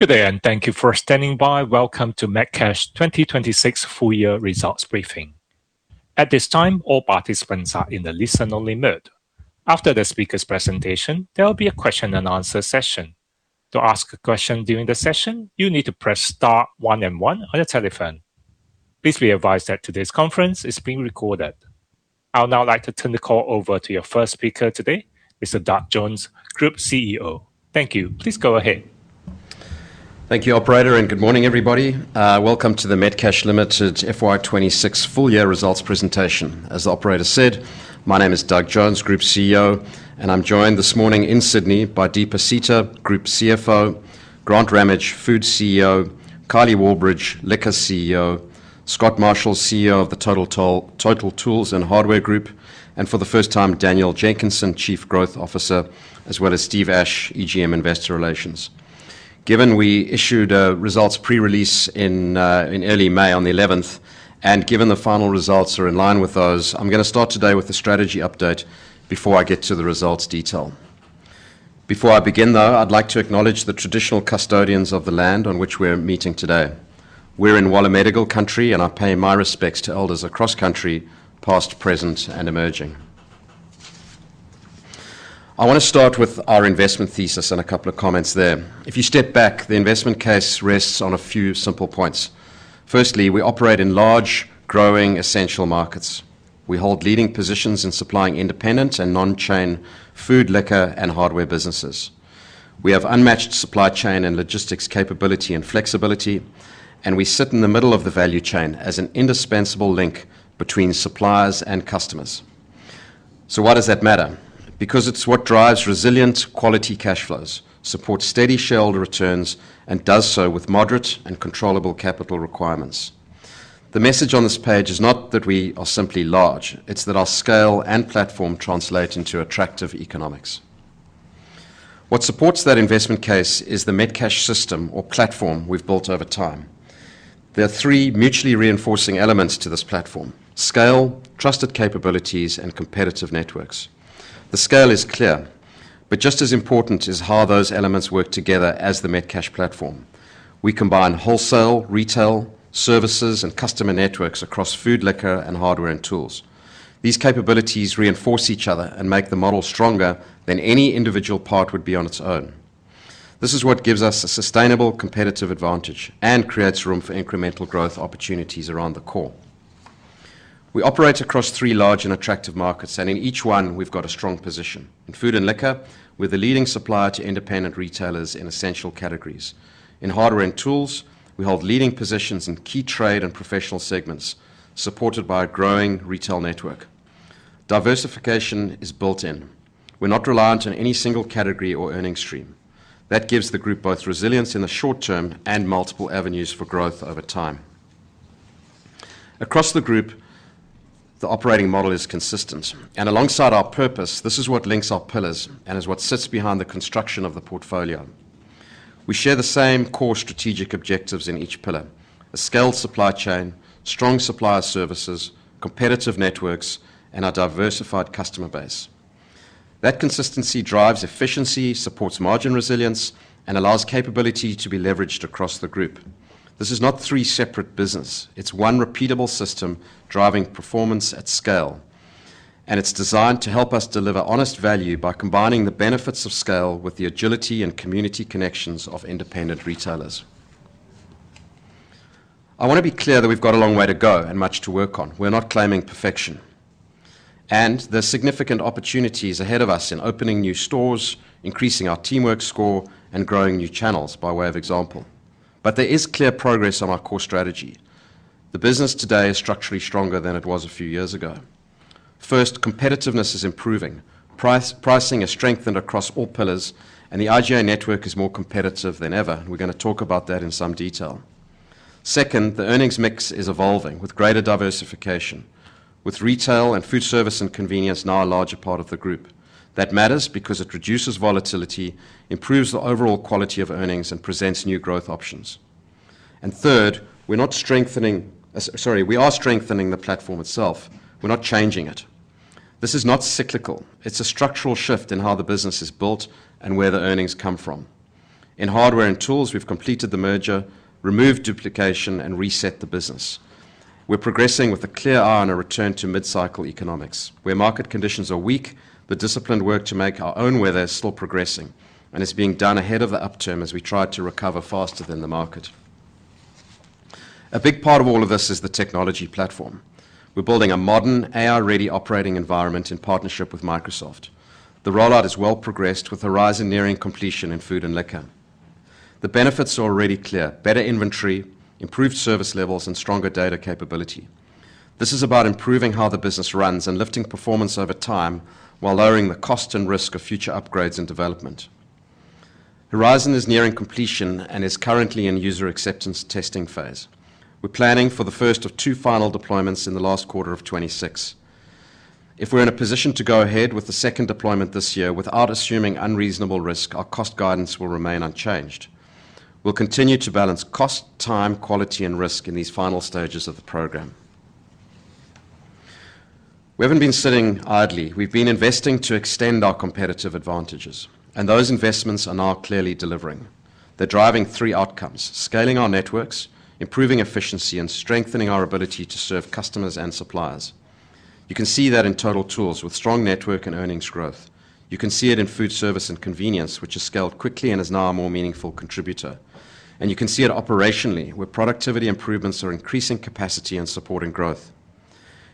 Good day, and thank you for standing by. Welcome to Metcash FY 2026 full year results briefing. At this time, all participants are in the listen-only mode. After the speaker's presentation, there will be a question and answer session. To ask a question during the session, you need to press star one and one on your telephone. Please be advised that today's conference is being recorded. I would now like to turn the call over to your first speaker today, Mr. Doug Jones, Group CEO. Thank you. Please go ahead. Thank you, operator, and good morning, everybody. Welcome to the Metcash Limited FY 2026 full year results presentation. As the operator said, my name is Doug Jones, Group CEO, and I am joined this morning in Sydney by Deepa Sita, Group CFO, Grant Ramage, Food CEO, Kylie Wallbridge, Liquor CEO, Scott Marshall, CEO of the Total Tools and Hardware Group, and for the first time, Danielle Jenkinson, Chief Growth Officer, as well as Steve Ashe, EGM, Investor Relations. Given we issued a results pre-release in early May on the 11th, and given the final results are in line with those, I am going to start today with a strategy update before I get to the results detail. Before I begin, though, I would like to acknowledge the traditional custodians of the land on which we are meeting today. We are in Wallumedegal country, and I pay my respects to elders across country, past, present, and emerging. I want to start with our investment thesis and a couple of comments there. If you step back, the investment case rests on a few simple points. Firstly, we operate in large, growing, essential markets. We hold leading positions in supplying independent and non-chain food, liquor, and hardware businesses. We have unmatched supply chain and logistics capability and flexibility, and we sit in the middle of the value chain as an indispensable link between suppliers and customers. Why does that matter? Because it is what drives resilient quality cash flows, supports steady shareholder returns, and does so with moderate and controllable capital requirements. The message on this page is not that we are simply large, it is that our scale and platform translate into attractive economics. What supports that investment case is the Metcash system or platform we have built over time. There are three mutually reinforcing elements to this platform: scale, trusted capabilities, and competitive networks. The scale is clear, just as important is how those elements work together as the Metcash platform. We combine wholesale, retail, services, and customer networks across food, liquor, and hardware and tools. These capabilities reinforce each other and make the model stronger than any individual part would be on its own. This is what gives us a sustainable competitive advantage and creates room for incremental growth opportunities around the core. We operate across three large and attractive markets, and in each one, we have got a strong position. In food and liquor, we are the leading supplier to independent retailers in essential categories. In hardware and tools, we hold leading positions in key trade and professional segments, supported by a growing retail network. Diversification is built in. We're not reliant on any single category or earning stream. That gives the group both resilience in the short term and multiple avenues for growth over time. Across the group, the operating model is consistent, and alongside our purpose, this is what links our pillars and is what sits behind the construction of the portfolio. We share the same core strategic objectives in each pillar: a scaled supply chain, strong supplier services, competitive networks, and a diversified customer base. That consistency drives efficiency, supports margin resilience, and allows capability to be leveraged across the group. This is not three separate businesses. It's one repeatable system driving performance at scale, and it's designed to help us deliver honest value by combining the benefits of scale with the agility and community connections of independent retailers. I want to be clear that we've got a long way to go and much to work on. We're not claiming perfection. There's significant opportunities ahead of us in opening new stores, increasing our teamwork score, and growing new channels, by way of example. There is clear progress on our core strategy. The business today is structurally stronger than it was a few years ago. First, competitiveness is improving. Pricing is strengthened across all pillars, and the IGA network is more competitive than ever. We're going to talk about that in some detail. Second, the earnings mix is evolving with greater diversification, with retail and food service and convenience now a larger part of the group. That matters because it reduces volatility, improves the overall quality of earnings, and presents new growth options. Third, we are strengthening the platform itself. We're not changing it. This is not cyclical. It's a structural shift in how the business is built and where the earnings come from. In hardware and tools, we've completed the merger, removed duplication, and reset the business. We're progressing with a clear eye on a return to mid-cycle economics. Where market conditions are weak, the disciplined work to make our own weather is still progressing, and it's being done ahead of the upturn as we try to recover faster than the market. A big part of all of this is the technology platform. We're building a modern, AI-ready operating environment in partnership with Microsoft. The rollout is well progressed, with Horizon nearing completion in food and liquor. The benefits are already clear: better inventory, improved service levels, and stronger data capability. This is about improving how the business runs and lifting performance over time while lowering the cost and risk of future upgrades and development. Horizon is nearing completion and is currently in user acceptance testing phase. We're planning for the first of two final deployments in the last quarter of 2026. If we're in a position to go ahead with the second deployment this year without assuming unreasonable risk, our cost guidance will remain unchanged. We'll continue to balance cost, time, quality, and risk in these final stages of the program. We haven't been sitting idly. We've been investing to extend our competitive advantages, and those investments are now clearly delivering. They're driving three outcomes, scaling our networks, improving efficiency, and strengthening our ability to serve customers and suppliers. You can see that in Total Tools with strong network and earnings growth. You can see it in food service and convenience, which has scaled quickly and is now a more meaningful contributor. You can see it operationally, where productivity improvements are increasing capacity and supporting growth.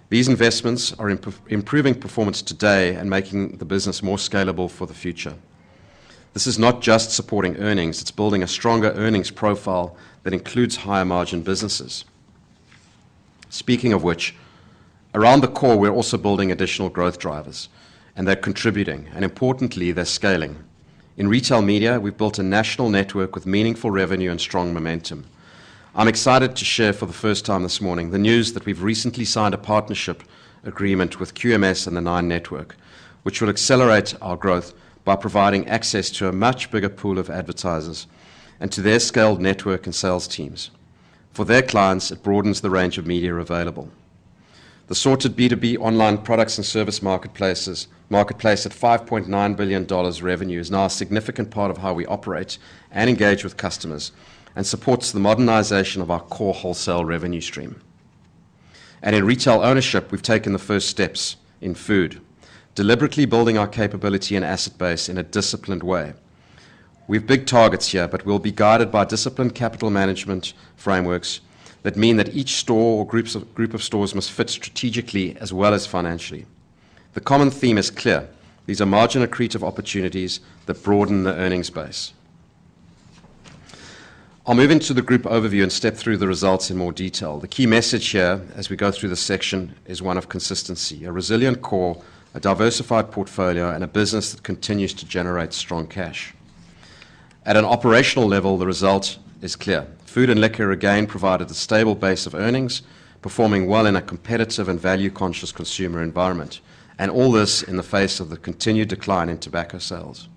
These investments are improving performance today and making the business more scalable for the future. This is not just supporting earnings, it's building a stronger earnings profile that includes higher margin businesses. Speaking of which, around the core, we're also building additional growth drivers, and they're contributing, and importantly, they're scaling. In retail media, we've built a national network with meaningful revenue and strong momentum. I'm excited to share for the first time this morning the news that we've recently signed a partnership agreement with QMS and the Nine Network, which will accelerate our growth by providing access to a much bigger pool of advertisers and to their scaled network and sales teams. For their clients, it broadens the range of media available. The Sorted B2B online products and service marketplace at 5.9 billion dollars revenue is now a significant part of how we operate and engage with customers and supports the modernization of our core wholesale revenue stream. In retail ownership, we've taken the first steps in food, deliberately building our capability and asset base in a disciplined way. We've big targets here, we'll be guided by disciplined capital management frameworks that mean that each store or group of stores must fit strategically as well as financially. The common theme is clear. These are margin-accretive opportunities that broaden the earnings base. I'll move into the group overview and step through the results in more detail. The key message here as we go through this section is one of consistency, a resilient core, a diversified portfolio, and a business that continues to generate strong cash. At an operational level, the result is clear. Food and liquor, again, provided a stable base of earnings, performing well in a competitive and value-conscious consumer environment, and all this in the face of the continued decline in tobacco sales.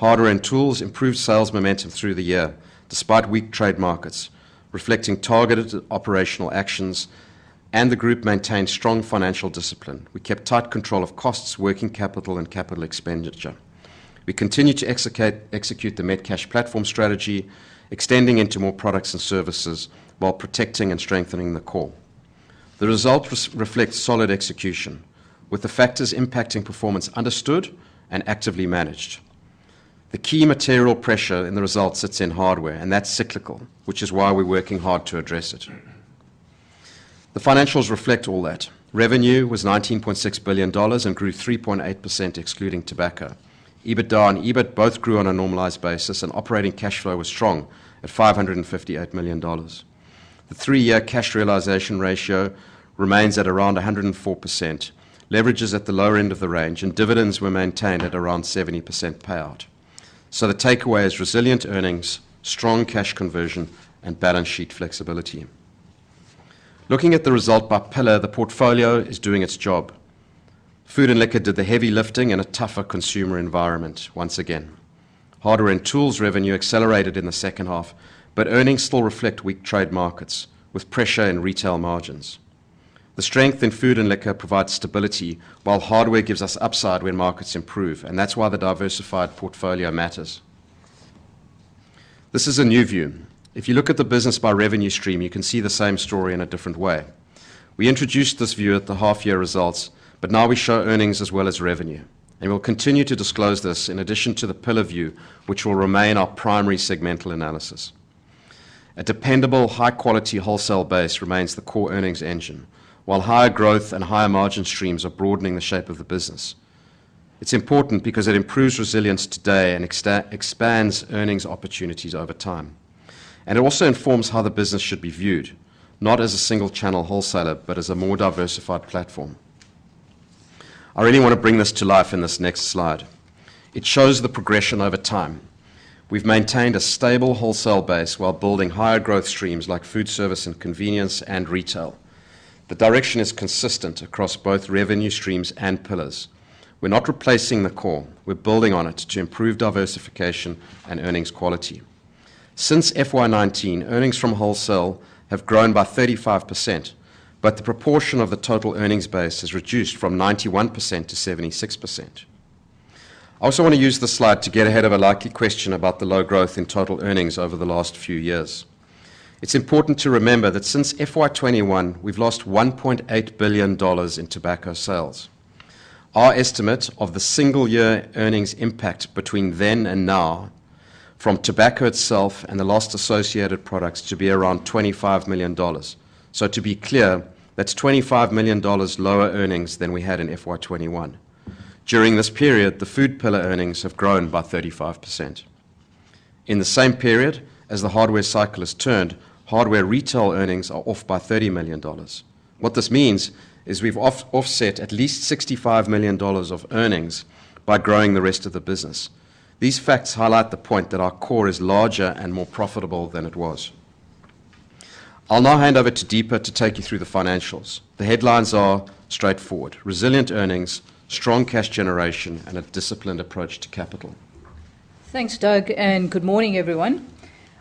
Hardware and Tools improved sales momentum through the year, despite weak trade markets, reflecting targeted operational actions, and the group maintained strong financial discipline. We kept tight control of costs, working capital, and capital expenditure. We continued to execute the Metcash platform strategy, extending into more products and services while protecting and strengthening the core. The results reflect solid execution with the factors impacting performance understood and actively managed. The key material pressure in the results sits in Hardware, that's cyclical, which is why we're working hard to address it. The financials reflect all that. Revenue was 19.6 billion dollars and grew 3.8%, excluding tobacco. EBITDA and EBIT both grew on a normalized basis, operating cash flow was strong at 558 million dollars. The three-year cash realization ratio remains at around 104%. Leverage is at the lower end of the range, dividends were maintained at around 70% payout. The takeaway is resilient earnings, strong cash conversion, and balance sheet flexibility. Looking at the result by pillar, the portfolio is doing its job. Food and liquor did the heavy lifting in a tougher consumer environment once again. Hardware and Tools revenue accelerated in the second half, earnings still reflect weak trade markets, with pressure in retail margins. The strength in food and liquor provides stability while Hardware gives us upside when markets improve. That's why the diversified portfolio matters. This is a new view. If you look at the business by revenue stream, you can see the same story in a different way. We introduced this view at the half-year results, but now we show earnings as well as revenue. We'll continue to disclose this in addition to the pillar view, which will remain our primary segmental analysis. A dependable, high-quality wholesale base remains the core earnings engine, while higher growth and higher margin streams are broadening the shape of the business. It's important because it improves resilience today and expands earnings opportunities over time. It also informs how the business should be viewed, not as a single channel wholesaler, but as a more diversified platform. I really want to bring this to life in this next slide. It shows the progression over time. We've maintained a stable wholesale base while building higher growth streams like food service and convenience and retail. The direction is consistent across both revenue streams and pillars. We're not replacing the core. We're building on it to improve diversification and earnings quality. Since FY 2019, earnings from wholesale have grown by 35%. The proportion of the total earnings base has reduced from 91% to 76%. I also want to use this slide to get ahead of a likely question about the low growth in total earnings over the last few years. It's important to remember that since FY 2021, we've lost 1.8 billion dollars in tobacco sales. Our estimate of the single year earnings impact between then and now from tobacco itself and the lost associated products to be around 25 million dollars. To be clear, that's 25 million dollars lower earnings than we had in FY 2021. During this period, the food pillar earnings have grown by 35%. In the same period, as the Hardware cycle has turned, Hardware retail earnings are off by 30 million dollars. What this means is we've offset at least 65 million dollars of earnings by growing the rest of the business. These facts highlight the point that our core is larger and more profitable than it was. I'll now hand over to Deepa to take you through the financials. The headlines are straightforward. Resilient earnings, strong cash generation, a disciplined approach to capital. Thanks, Doug. Good morning, everyone.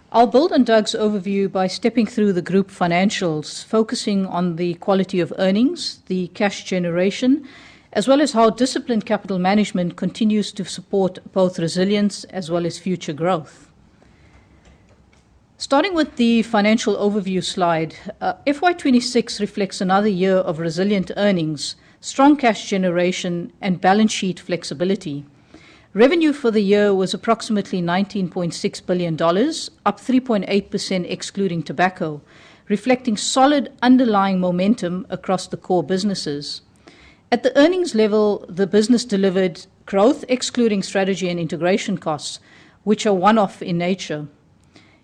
I'll build on Doug's overview by stepping through the group financials, focusing on the quality of earnings, the cash generation, as well as how disciplined capital management continues to support both resilience as well as future growth. Starting with the financial overview slide, FY 2026 reflects another year of resilient earnings, strong cash generation, and balance sheet flexibility. Revenue for the year was approximately 19.6 billion dollars, up 3.8% excluding tobacco, reflecting solid underlying momentum across the core businesses. At the earnings level, the business delivered growth excluding strategy and integration costs, which are one-off in nature.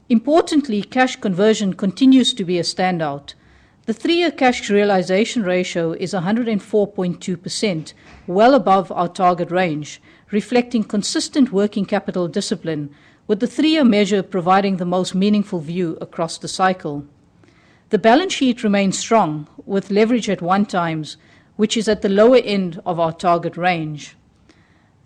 Importantly, cash conversion continues to be a standout. The three-year cash realization ratio is 104.2%, well above our target range, reflecting consistent working capital discipline, with the three-year measure providing the most meaningful view across the cycle. The balance sheet remains strong, with leverage at one times, which is at the lower end of our target range.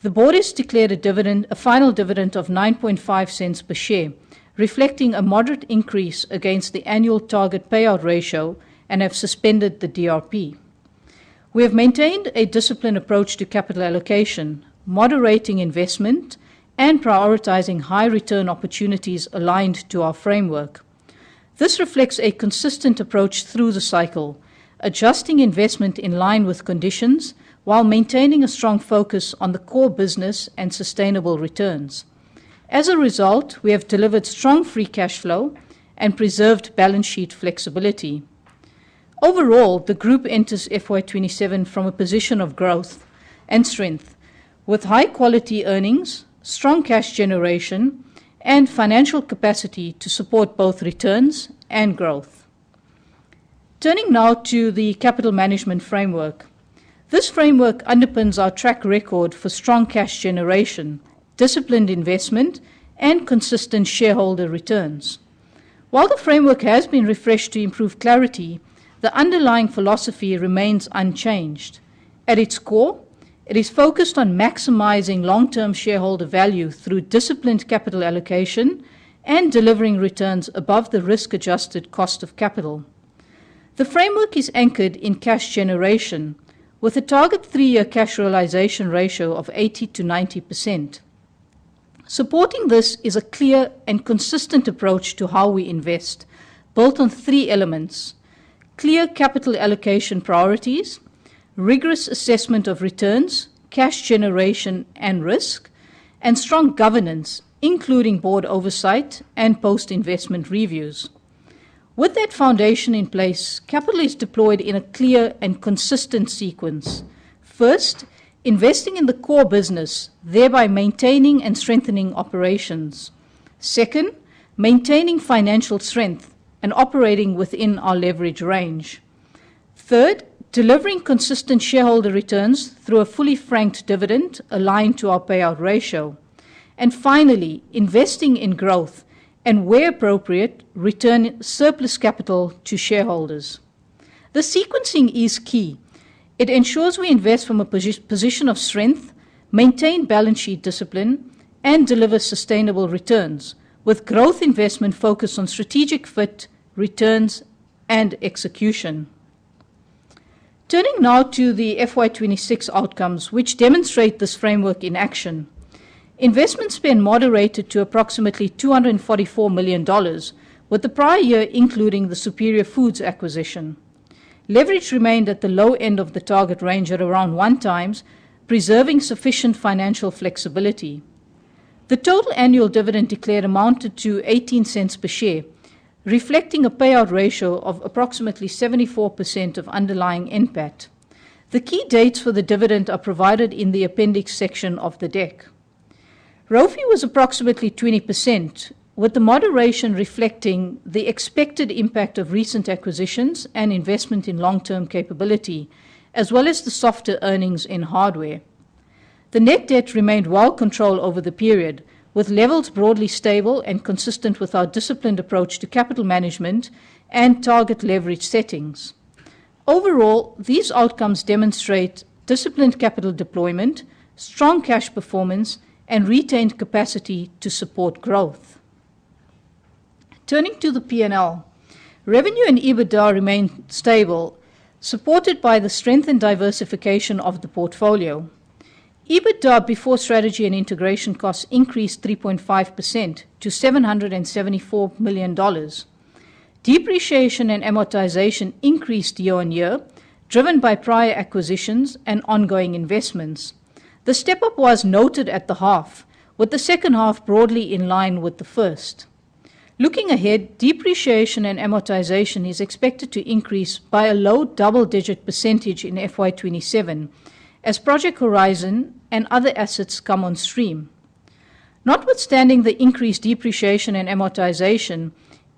The board has declared a final dividend of 0.095 per share, reflecting a moderate increase against the annual target payout ratio and have suspended the DRP. We have maintained a disciplined approach to capital allocation, moderating investment, and prioritizing high return opportunities aligned to our framework. This reflects a consistent approach through the cycle, adjusting investment in line with conditions, while maintaining a strong focus on the core business and sustainable returns. As a result, we have delivered strong free cash flow and preserved balance sheet flexibility. Overall, the group enters FY 2027 from a position of growth and strength with high quality earnings, strong cash generation, and financial capacity to support both returns and growth. Turning now to the capital management framework. This framework underpins our track record for strong cash generation, disciplined investment, and consistent shareholder returns. While the framework has been refreshed to improve clarity, the underlying philosophy remains unchanged. At its core, it is focused on maximizing long-term shareholder value through disciplined capital allocation and delivering returns above the risk-adjusted cost of capital. The framework is anchored in cash generation with a target three-year cash realization ratio of 80%-90%. Supporting this is a clear and consistent approach to how we invest, built on three elements: clear capital allocation priorities, rigorous assessment of returns, cash generation, and risk, and strong governance, including board oversight and post-investment reviews. With that foundation in place, capital is deployed in a clear and consistent sequence. First, investing in the core business, thereby maintaining and strengthening operations. Second, maintaining financial strength and operating within our leverage range. Third, delivering consistent shareholder returns through a fully franked dividend aligned to our payout ratio. Finally, investing in growth and, where appropriate, return surplus capital to shareholders. The sequencing is key. It ensures we invest from a position of strength, maintain balance sheet discipline, and deliver sustainable returns with growth investment focused on strategic fit, returns, and execution. Turning now to the FY 2026 outcomes, which demonstrate this framework in action. Investment spend moderated to approximately 244 million dollars, with the prior year including the Superior Foods acquisition. Leverage remained at the low end of the target range at around one times, preserving sufficient financial flexibility. The total annual dividend declared amounted to 0.18 per share, reflecting a payout ratio of approximately 74% of underlying NPAT. The key dates for the dividend are provided in the appendix section of the deck. ROFE was approximately 20%, with the moderation reflecting the expected impact of recent acquisitions and investment in long-term capability, as well as the softer earnings in hardware. The net debt remained well controlled over the period, with levels broadly stable and consistent with our disciplined approach to capital management and target leverage settings. Overall, these outcomes demonstrate disciplined capital deployment, strong cash performance, and retained capacity to support growth. Turning to the P&L. Revenue and EBITDA remained stable, supported by the strength and diversification of the portfolio. EBITDA before strategy and integration costs increased 3.5% to 774 million dollars. Depreciation and amortization increased year-over-year, driven by prior acquisitions and ongoing investments. The step-up was noted at the half, with the second half broadly in line with the first. Looking ahead, depreciation and amortization is expected to increase by a low double-digit percentage in FY 2027 as Project Horizon and other assets come on stream. Notwithstanding the increased depreciation and amortization,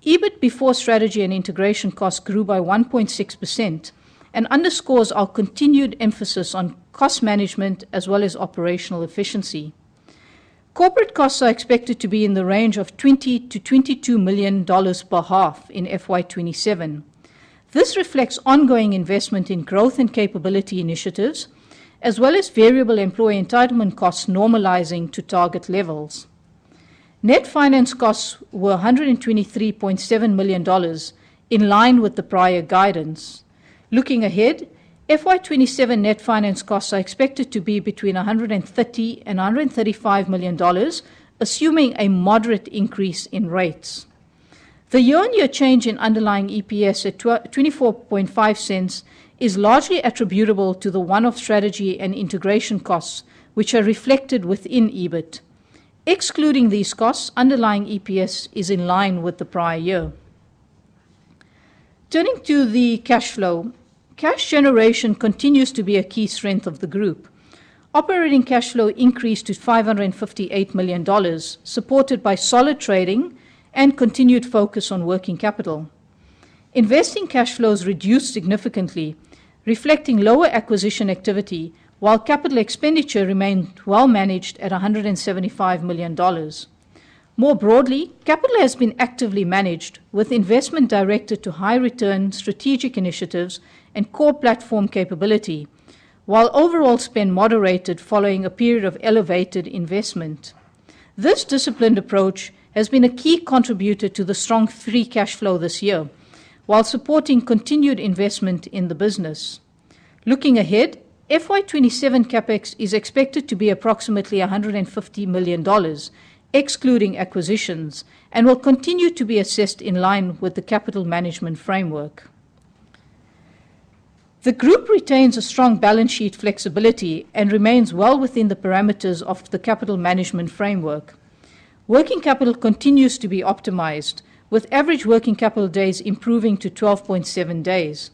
EBIT before strategy and integration costs grew by 1.6% and underscores our continued emphasis on cost management as well as operational efficiency. Corporate costs are expected to be in the range of 20 million-22 million dollars per half in FY 2027. This reflects ongoing investment in growth and capability initiatives, as well as variable employee entitlement costs normalizing to target levels. Net finance costs were 123.7 million dollars, in line with the prior guidance. Looking ahead, FY 2027 net finance costs are expected to be between 130 million and 135 million dollars, assuming a moderate increase in rates. The year-on-year change in underlying EPS at 0.245 is largely attributable to the one-off strategy and integration costs, which are reflected within EBIT. Excluding these costs, underlying EPS is in line with the prior year. Turning to the cash flow, cash generation continues to be a key strength of the group. Operating cash flow increased to 558 million dollars, supported by solid trading and continued focus on working capital. Investing cash flows reduced significantly, reflecting lower acquisition activity, while capital expenditure remained well managed at 175 million dollars. More broadly, capital has been actively managed, with investment directed to high return strategic initiatives and core platform capability, while overall spend moderated following a period of elevated investment. This disciplined approach has been a key contributor to the strong free cash flow this year, while supporting continued investment in the business. Looking ahead, FY 2027 CapEx is expected to be approximately 150 million dollars, excluding acquisitions, and will continue to be assessed in line with the capital management framework. The group retains a strong balance sheet flexibility and remains well within the parameters of the capital management framework. Working capital continues to be optimized, with average working capital days improving to 12.7 days.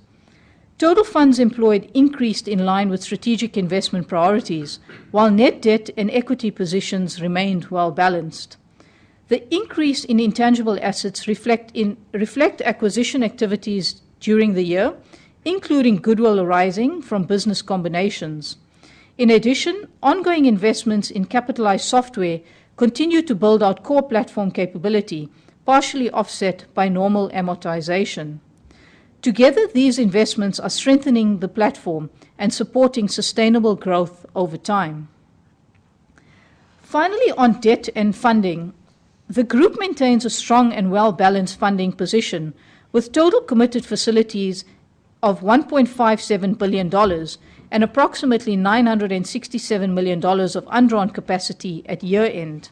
Total funds employed increased in line with strategic investment priorities, while net debt and equity positions remained well balanced. The increase in intangible assets reflect acquisition activities during the year, including goodwill arising from business combinations. In addition, ongoing investments in capitalized software continue to build out core platform capability, partially offset by normal amortization. Together, these investments are strengthening the platform and supporting sustainable growth over time. Finally, on debt and funding, the group maintains a strong and well-balanced funding position, with total committed facilities of 1.57 billion dollars and approximately 967 million dollars of undrawn capacity at year-end.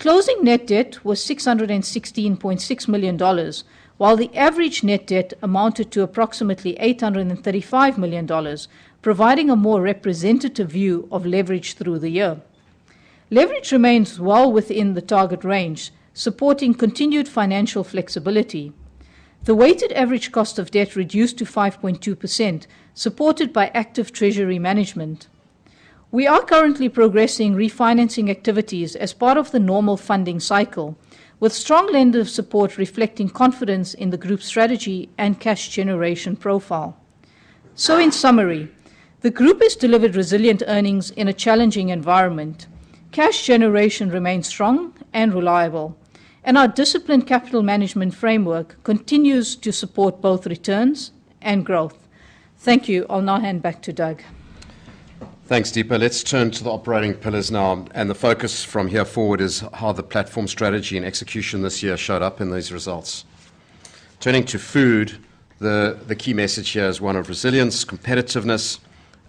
Closing net debt was 616.6 million dollars, while the average net debt amounted to approximately 835 million dollars, providing a more representative view of leverage through the year. Leverage remains well within the target range, supporting continued financial flexibility. The weighted average cost of debt reduced to 5.2%, supported by active treasury management. We are currently progressing refinancing activities as part of the normal funding cycle, with strong lender support reflecting confidence in the group's strategy and cash generation profile. In summary, the group has delivered resilient earnings in a challenging environment. Cash generation remains strong and reliable. Our disciplined capital management framework continues to support both returns and growth. Thank you. I'll now hand back to Doug. Thanks, Deepa. Let's turn to the operating pillars now. The focus from here forward is how the platform strategy and execution this year showed up in these results. Turning to food, the key message here is one of resilience, competitiveness,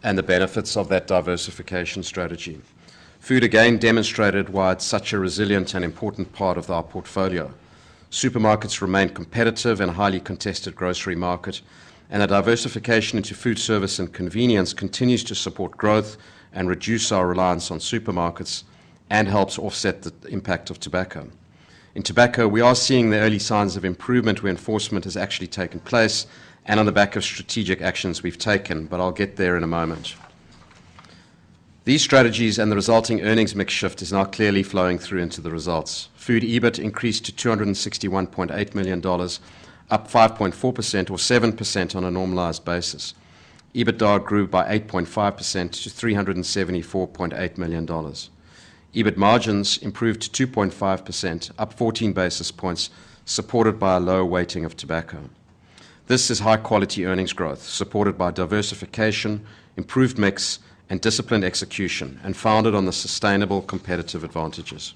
and the benefits of that diversification strategy. Food again demonstrated why it's such a resilient and important part of our portfolio. Supermarkets remain competitive in a highly contested grocery market. A diversification into food service and convenience continues to support growth and reduce our reliance on supermarkets. Helps offset the impact of tobacco. In tobacco, we are seeing the early signs of improvement where enforcement has actually taken place and on the back of strategic actions we've taken. I'll get there in a moment. These strategies and the resulting earnings mix shift is now clearly flowing through into the results. Food EBIT increased to 261.8 million dollars, up 5.4%, or 7% on a normalized basis. EBITDA grew by 8.5% to 374.8 million dollars. EBIT margins improved to 2.5%, up 14 basis points, supported by a lower weighting of tobacco. This is high-quality earnings growth supported by diversification, improved mix, and disciplined execution, and founded on the sustainable competitive advantages.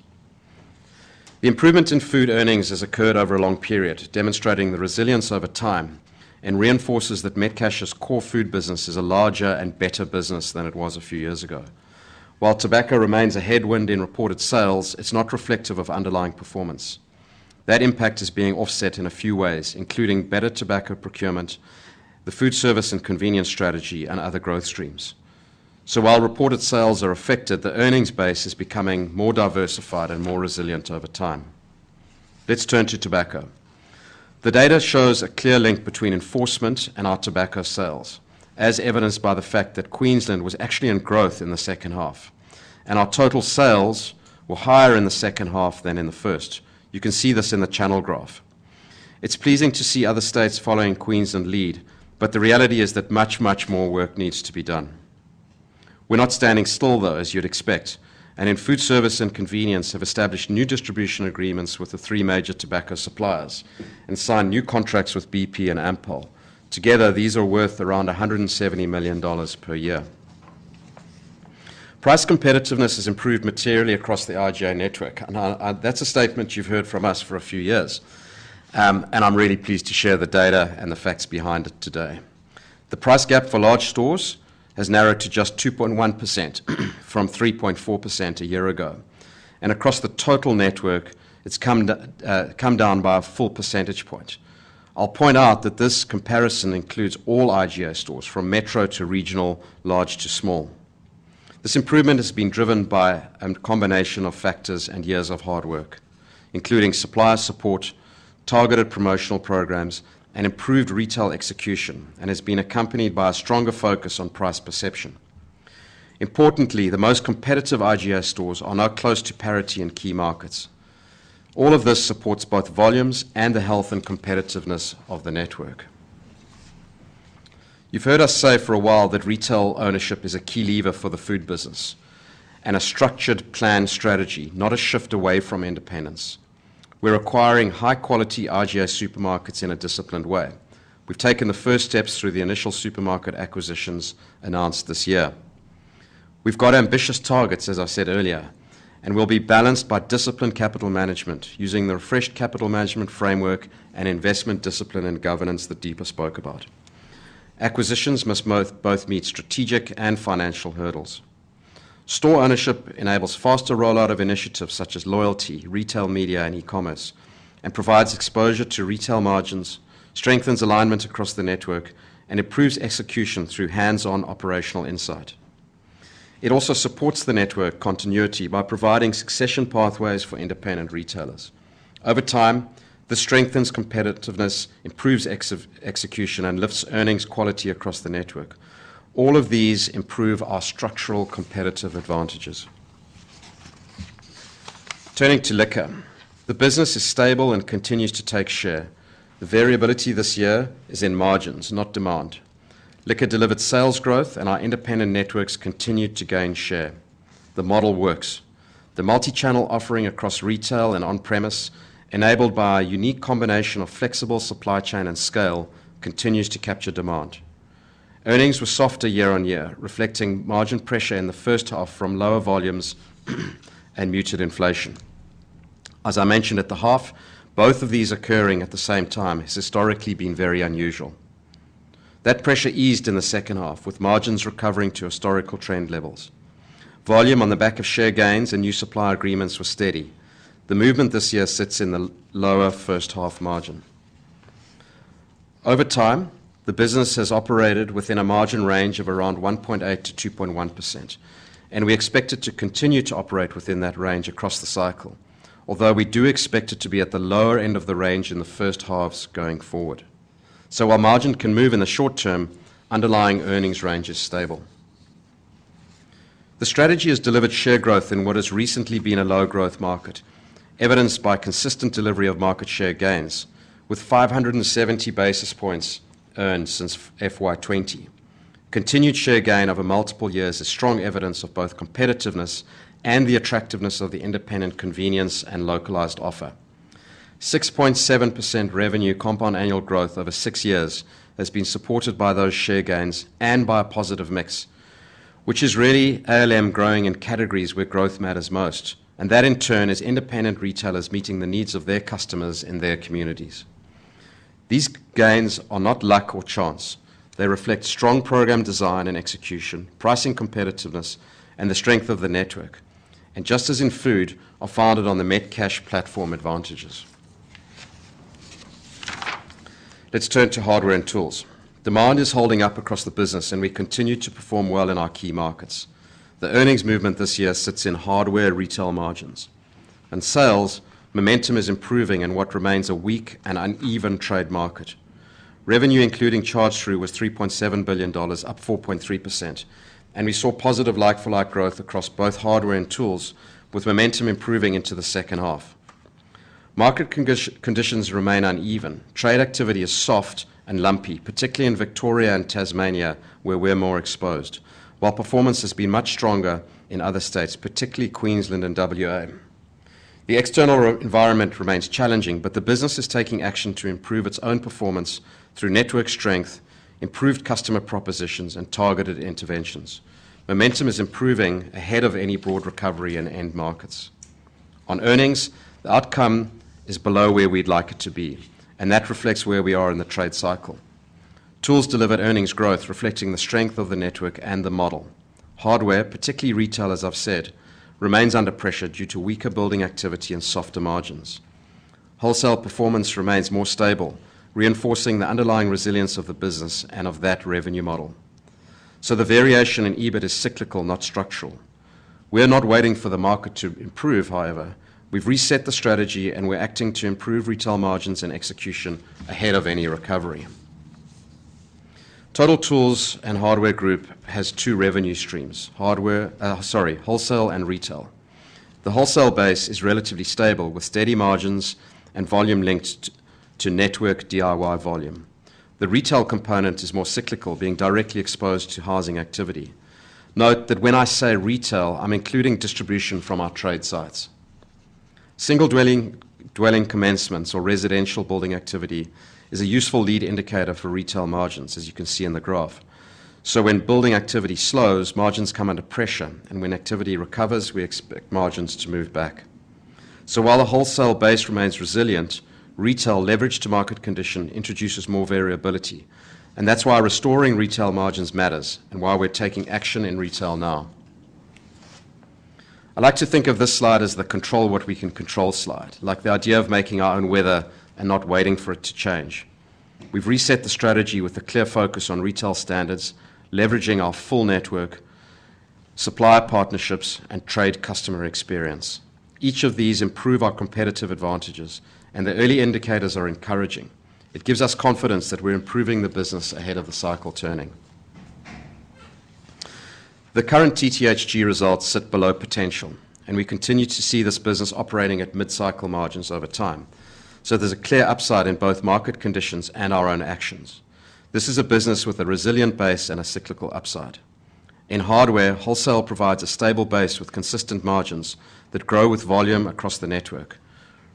The improvement in food earnings has occurred over a long period, demonstrating the resilience over time, and reinforces that Metcash's core food business is a larger and better business than it was a few years ago. While tobacco remains a headwind in reported sales, it's not reflective of underlying performance. That impact is being offset in a few ways, including better tobacco procurement, the food service and convenience strategy, and other growth streams. While reported sales are affected, the earnings base is becoming more diversified and more resilient over time. Let's turn to tobacco. The data shows a clear link between enforcement and our tobacco sales, as evidenced by the fact that Queensland was actually in growth in the second half. Our total sales were higher in the second half than in the first. You can see this in the channel graph. It's pleasing to see other states following Queensland's lead. The reality is that much, much more work needs to be done. We're not standing still though, as you'd expect. In food service and convenience, have established new distribution agreements with the three major tobacco suppliers and signed new contracts with BP and Ampol. Together, these are worth around 170 million dollars per year. Price competitiveness has improved materially across the IGA network. That's a statement you've heard from us for a few years. I'm really pleased to share the data and the facts behind it today. The price gap for large stores has narrowed to just 2.1% from 3.4% a year ago. Across the total network, it's come down by a full percentage point. I'll point out that this comparison includes all IGA stores, from metro to regional, large to small. This improvement has been driven by a combination of factors and years of hard work, including supplier support, targeted promotional programs, and improved retail execution, and has been accompanied by a stronger focus on price perception. Importantly, the most competitive IGA stores are now close to parity in key markets. All of this supports both volumes and the health and competitiveness of the network. You've heard us say for a while that retail ownership is a key lever for the food business, and a structured plan strategy, not a shift away from independence. We're acquiring high-quality IGA supermarkets in a disciplined way. We've taken the first steps through the initial supermarket acquisitions announced this year. We've got ambitious targets, as I said earlier, and we'll be balanced by disciplined capital management using the refreshed capital management framework and investment discipline and governance that Deepa spoke about. Acquisitions must both meet strategic and financial hurdles. Store ownership enables faster rollout of initiatives such as loyalty, retail media, and e-commerce, and provides exposure to retail margins, strengthens alignment across the network, and improves execution through hands-on operational insight. It also supports the network continuity by providing succession pathways for independent retailers. Over time, this strengthens competitiveness, improves execution, and lifts earnings quality across the network. All of these improve our structural competitive advantages. Turning to liquor. The business is stable and continues to take share. The variability this year is in margins, not demand. Liquor delivered sales growth and our independent networks continued to gain share. The model works. The multi-channel offering across retail and on-premise, enabled by a unique combination of flexible supply chain and scale, continues to capture demand. Earnings were softer year-over-year, reflecting margin pressure in the first half from lower volumes and muted inflation. As I mentioned at the half, both of these occurring at the same time has historically been very unusual. That pressure eased in the second half, with margins recovering to historical trend levels. Volume on the back of share gains and new supply agreements were steady. The movement this year sits in the lower first half margin. Over time, the business has operated within a margin range of around 1.8%-2.1%, and we expect it to continue to operate within that range across the cycle, although we do expect it to be at the lower end of the range in the first halves going forward. While margin can move in the short term, underlying earnings range is stable. The strategy has delivered share growth in what has recently been a low-growth market, evidenced by consistent delivery of market share gains, with 570 basis points earned since FY 2020. Continued share gain over multiple years is strong evidence of both competitiveness and the attractiveness of the independent convenience and localized offer. 6.7% revenue compound annual growth over six years has been supported by those share gains and by a positive mix, which is really ALM growing in categories where growth matters most. That in turn is independent retailers meeting the needs of their customers in their communities. These gains are not luck or chance. They reflect strong program design and execution, pricing competitiveness, and the strength of the network. Just as in food, are founded on the Metcash platform advantages. Let's turn to hardware and tools. Demand is holding up across the business and we continue to perform well in our key markets. The earnings movement this year sits in hardware retail margins. In sales, momentum is improving in what remains a weak and uneven trade market. Revenue including charge-through was 3.7 billion dollars, up 4.3%, and we saw positive like-for-like growth across both hardware and tools, with momentum improving into the second half. Market conditions remain uneven. Trade activity is soft and lumpy, particularly in Victoria and Tasmania where we're more exposed. While performance has been much stronger in other states, particularly Queensland and WA. The external environment remains challenging, but the business is taking action to improve its own performance through network strength, improved customer propositions, and targeted interventions. Momentum is improving ahead of any broad recovery in end markets. On earnings, the outcome is below where we'd like it to be, and that reflects where we are in the trade cycle. Tools delivered earnings growth reflecting the strength of the network and the model. Hardware, particularly retail as I've said, remains under pressure due to weaker building activity and softer margins. Wholesale performance remains more stable, reinforcing the underlying resilience of the business and of that revenue model. The variation in EBIT is cyclical, not structural. We are not waiting for the market to improve, however. We've reset the strategy and we're acting to improve retail margins and execution ahead of any recovery. Total Tools and Hardware Group has two revenue streams, wholesale and retail. The wholesale base is relatively stable, with steady margins and volume linked to network DIY volume. The retail component is more cyclical, being directly exposed to housing activity. Note that when I say retail, I'm including distribution from our trade sites. Single dwelling commencements or residential building activity is a useful lead indicator for retail margins, as you can see in the graph. When building activity slows, margins come under pressure, and when activity recovers, we expect margins to move back. While the wholesale base remains resilient, retail leverage to market condition introduces more variability. That's why restoring retail margins matters and why we're taking action in retail now. I like to think of this slide as the control what we can control slide. Like the idea of making our own weather and not waiting for it to change. We've reset the strategy with a clear focus on retail standards, leveraging our full network, supplier partnerships, and trade customer experience. Each of these improve our competitive advantages, and the early indicators are encouraging. It gives us confidence that we're improving the business ahead of the cycle turning. The current TTHG results sit below potential, and we continue to see this business operating at mid-cycle margins over time. There's a clear upside in both market conditions and our own actions. This is a business with a resilient base and a cyclical upside. In hardware, wholesale provides a stable base with consistent margins that grow with volume across the network.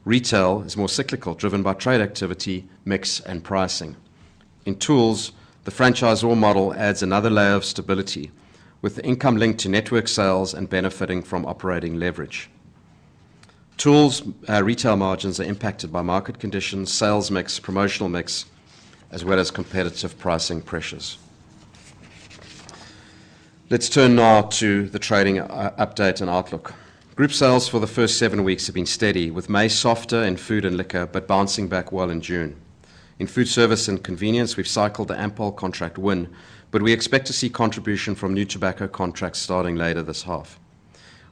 Retail is more cyclical, driven by trade activity, mix, and pricing. In tools, the franchise roll model adds another layer of stability, with the income linked to network sales and benefiting from operating leverage. Tools retail margins are impacted by market conditions, sales mix, promotional mix, as well as competitive pricing pressures. Let's turn now to the trading update and outlook. Group sales for the first seven weeks have been steady, with May softer in food and liquor, but bouncing back well in June. In food service and convenience, we've cycled the Ampol contract win, but we expect to see contribution from new tobacco contracts starting later this half.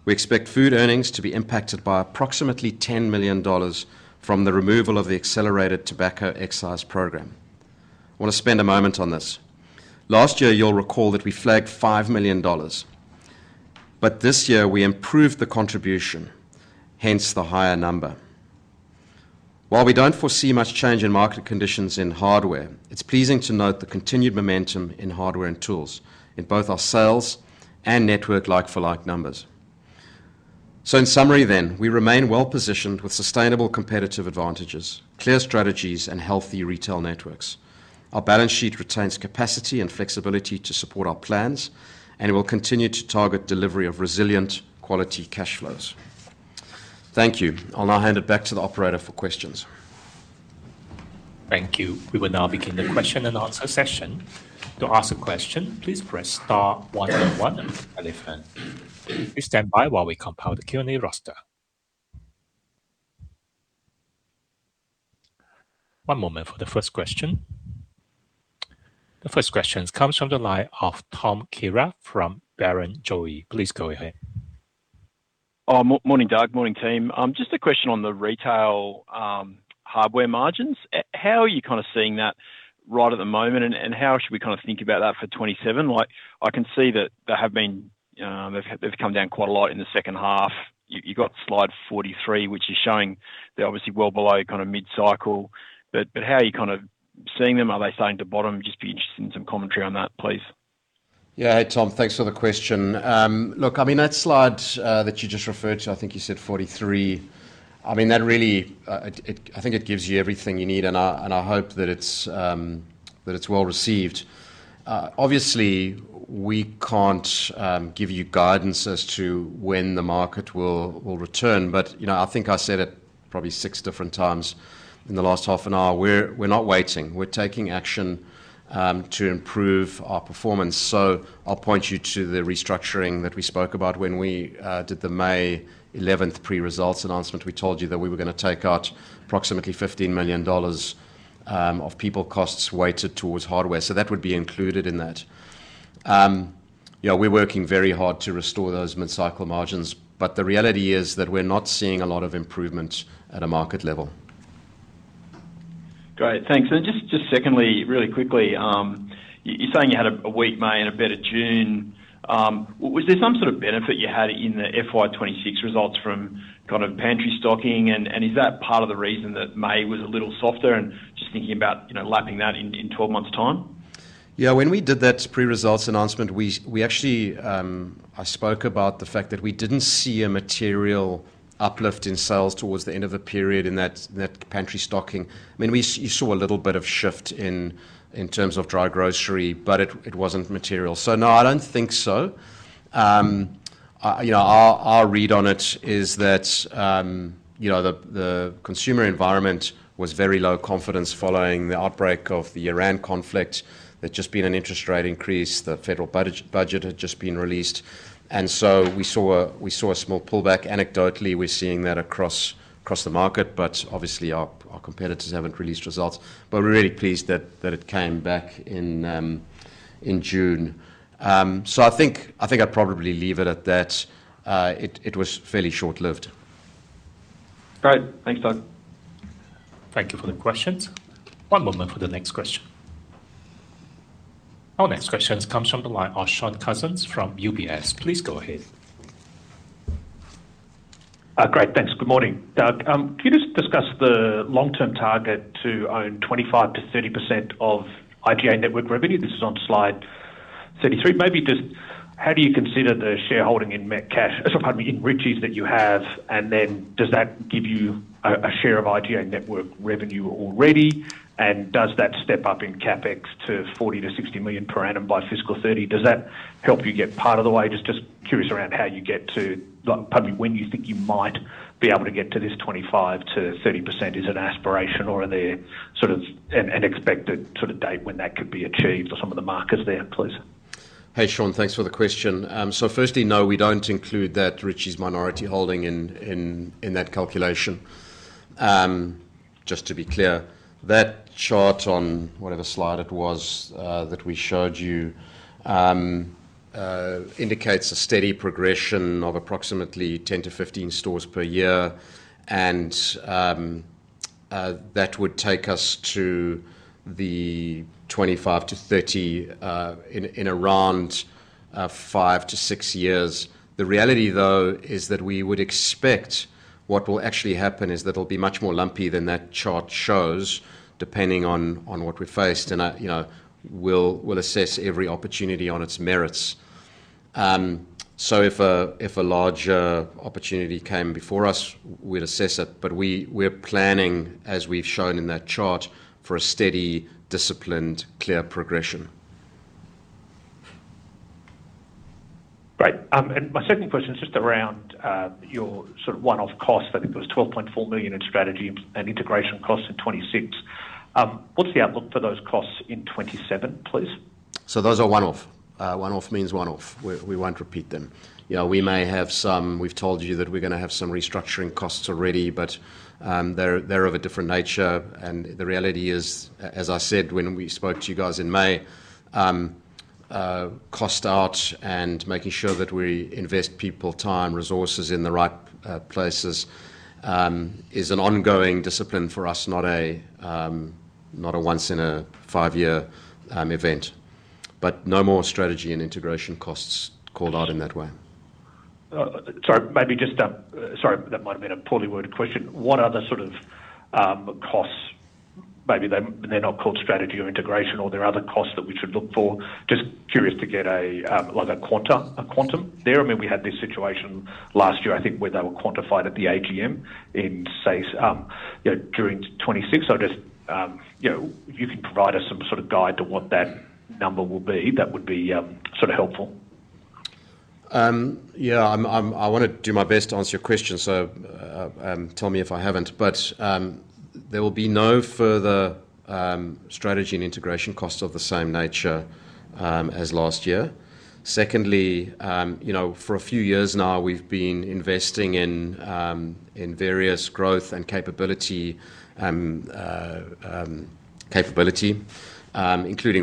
We expect food earnings to be impacted by approximately 10 million dollars from the removal of the accelerated tobacco excise program. I want to spend a moment on this. Last year, you'll recall that we flagged 5 million dollars. this year, we improved the contribution, hence the higher number. While we don't foresee much change in market conditions in hardware, it's pleasing to note the continued momentum in hardware and tools in both our sales and network like-for-like numbers. In summary, we remain well positioned with sustainable competitive advantages, clear strategies, and healthy retail networks. Our balance sheet retains capacity and flexibility to support our plans, and we will continue to target delivery of resilient quality cash flows. Thank you. I'll now hand it back to the operator for questions. Thank you. We will now begin the question and answer session. To ask a question, please press star one one on your telephone. Please stand by while we compile the Q&A roster. One moment for the first question. The first question comes from the line of Tom Kierath from Barrenjoey. Please go ahead. Morning, Doug. Morning, team. Just a question on the retail hardware margins. How are you kind of seeing that right at the moment, and how should we think about that for 2027? I can see that they've come down quite a lot in the second half. You've got slide 43, which is showing they're obviously well below mid-cycle. How are you seeing them? Are they starting to bottom? Just be interested in some commentary on that, please. Hey, Tom. Thanks for the question. That slide that you just referred to, I think you said 43, that really gives you everything you need, and I hope that it's well-received. Obviously, we can't give you guidance as to when the market will return. I think I said it probably six different times in the last half an hour. We're not waiting. We're taking action to improve our performance. I'll point you to the restructuring that we spoke about when we did the May 11th pre-results announcement. We told you that we were going to take out approximately 15 million dollars of people costs weighted towards hardware. That would be included in that. We're working very hard to restore those mid-cycle margins, the reality is that we're not seeing a lot of improvement at a market level. Great. Thanks. Just secondly, really quickly, you're saying you had a weak May and a better June. Was there some sort of benefit you had in the FY 2026 results from pantry stocking, and is that part of the reason that May was a little softer? Just thinking about lapping that in 12 months' time. Yeah. When we did that pre-results announcement, I spoke about the fact that we didn't see a material uplift in sales towards the end of the period in that pantry stocking. You saw a little bit of shift in terms of dry grocery, but it wasn't material. No, I don't think so. Our read on it is that the consumer environment was very low confidence following the outbreak of the Iran conflict. There'd just been an interest rate increase. The federal budget had just been released. We saw a small pullback. Anecdotally, we're seeing that across the market. Obviously, our competitors haven't released results. We're really pleased that it came back in June. I think I'd probably leave it at that. It was fairly short-lived. Great. Thanks, Doug. Thank you for the questions. One moment for the next question. Our next question comes from the line of Shaun Cousins from UBS. Please go ahead. Great. Thanks. Good morning. Doug, can you just discuss the long-term target to own 25%-30% of IGA network revenue? This is on slide 33. Maybe just how do you consider the shareholding in Metcash, pardon me, in Ritchies that you have, then does that give you a share of IGA network revenue already? Does that step up in CapEx to 40 million-60 million per annum by fiscal 2030? Does that help you get part of the way? Just curious around when you think you might be able to get to this 25%-30%. Is it an aspiration, or are there an expected date when that could be achieved or some of the markers there, please? Hey, Shaun. Thanks for the question. Firstly, no, we don't include that Ritchies minority holding in that calculation. Just to be clear, that chart on whatever slide it was that we showed you indicates a steady progression of approximately 10-15 stores per year, and that would take us to the 25%-30% in around five to six years. The reality, though, is that we would expect what will actually happen is that it'll be much more lumpy than that chart shows, depending on what we faced. We'll assess every opportunity on its merits. If a larger opportunity came before us, we'd assess it. We're planning, as we've shown in that chart, for a steady, disciplined, clear progression. Great. My second question is just around your sort of one-off cost. I think it was 12.4 million in strategy and integration costs in 2026. What's the outlook for those costs in 2027, please? Those are one-off. One-off means one-off. We won't repeat them. We've told you that we're going to have some restructuring costs already, but they're of a different nature. The reality is, as I said when we spoke to you guys in May, cost out and making sure that we invest people, time, resources in the right places is an ongoing discipline for us, not a once in a five-year event. No more strategy and integration costs called out in that way. Sorry, that might have been a poorly worded question. What other sort of costs, maybe they're not called strategy or integration or there are other costs that we should look for. Just curious to get a quantum there. I mean, we had this situation last year, I think, where they were quantified at the AGM in, say, during 2026. Just if you could provide us some sort of guide to what that number will be, that would be sort of helpful. Yeah. I want to do my best to answer your question, tell me if I haven't. There will be no further strategy and integration costs of the same nature as last year. Secondly, for a few years now, we've been investing in various growth and capability, including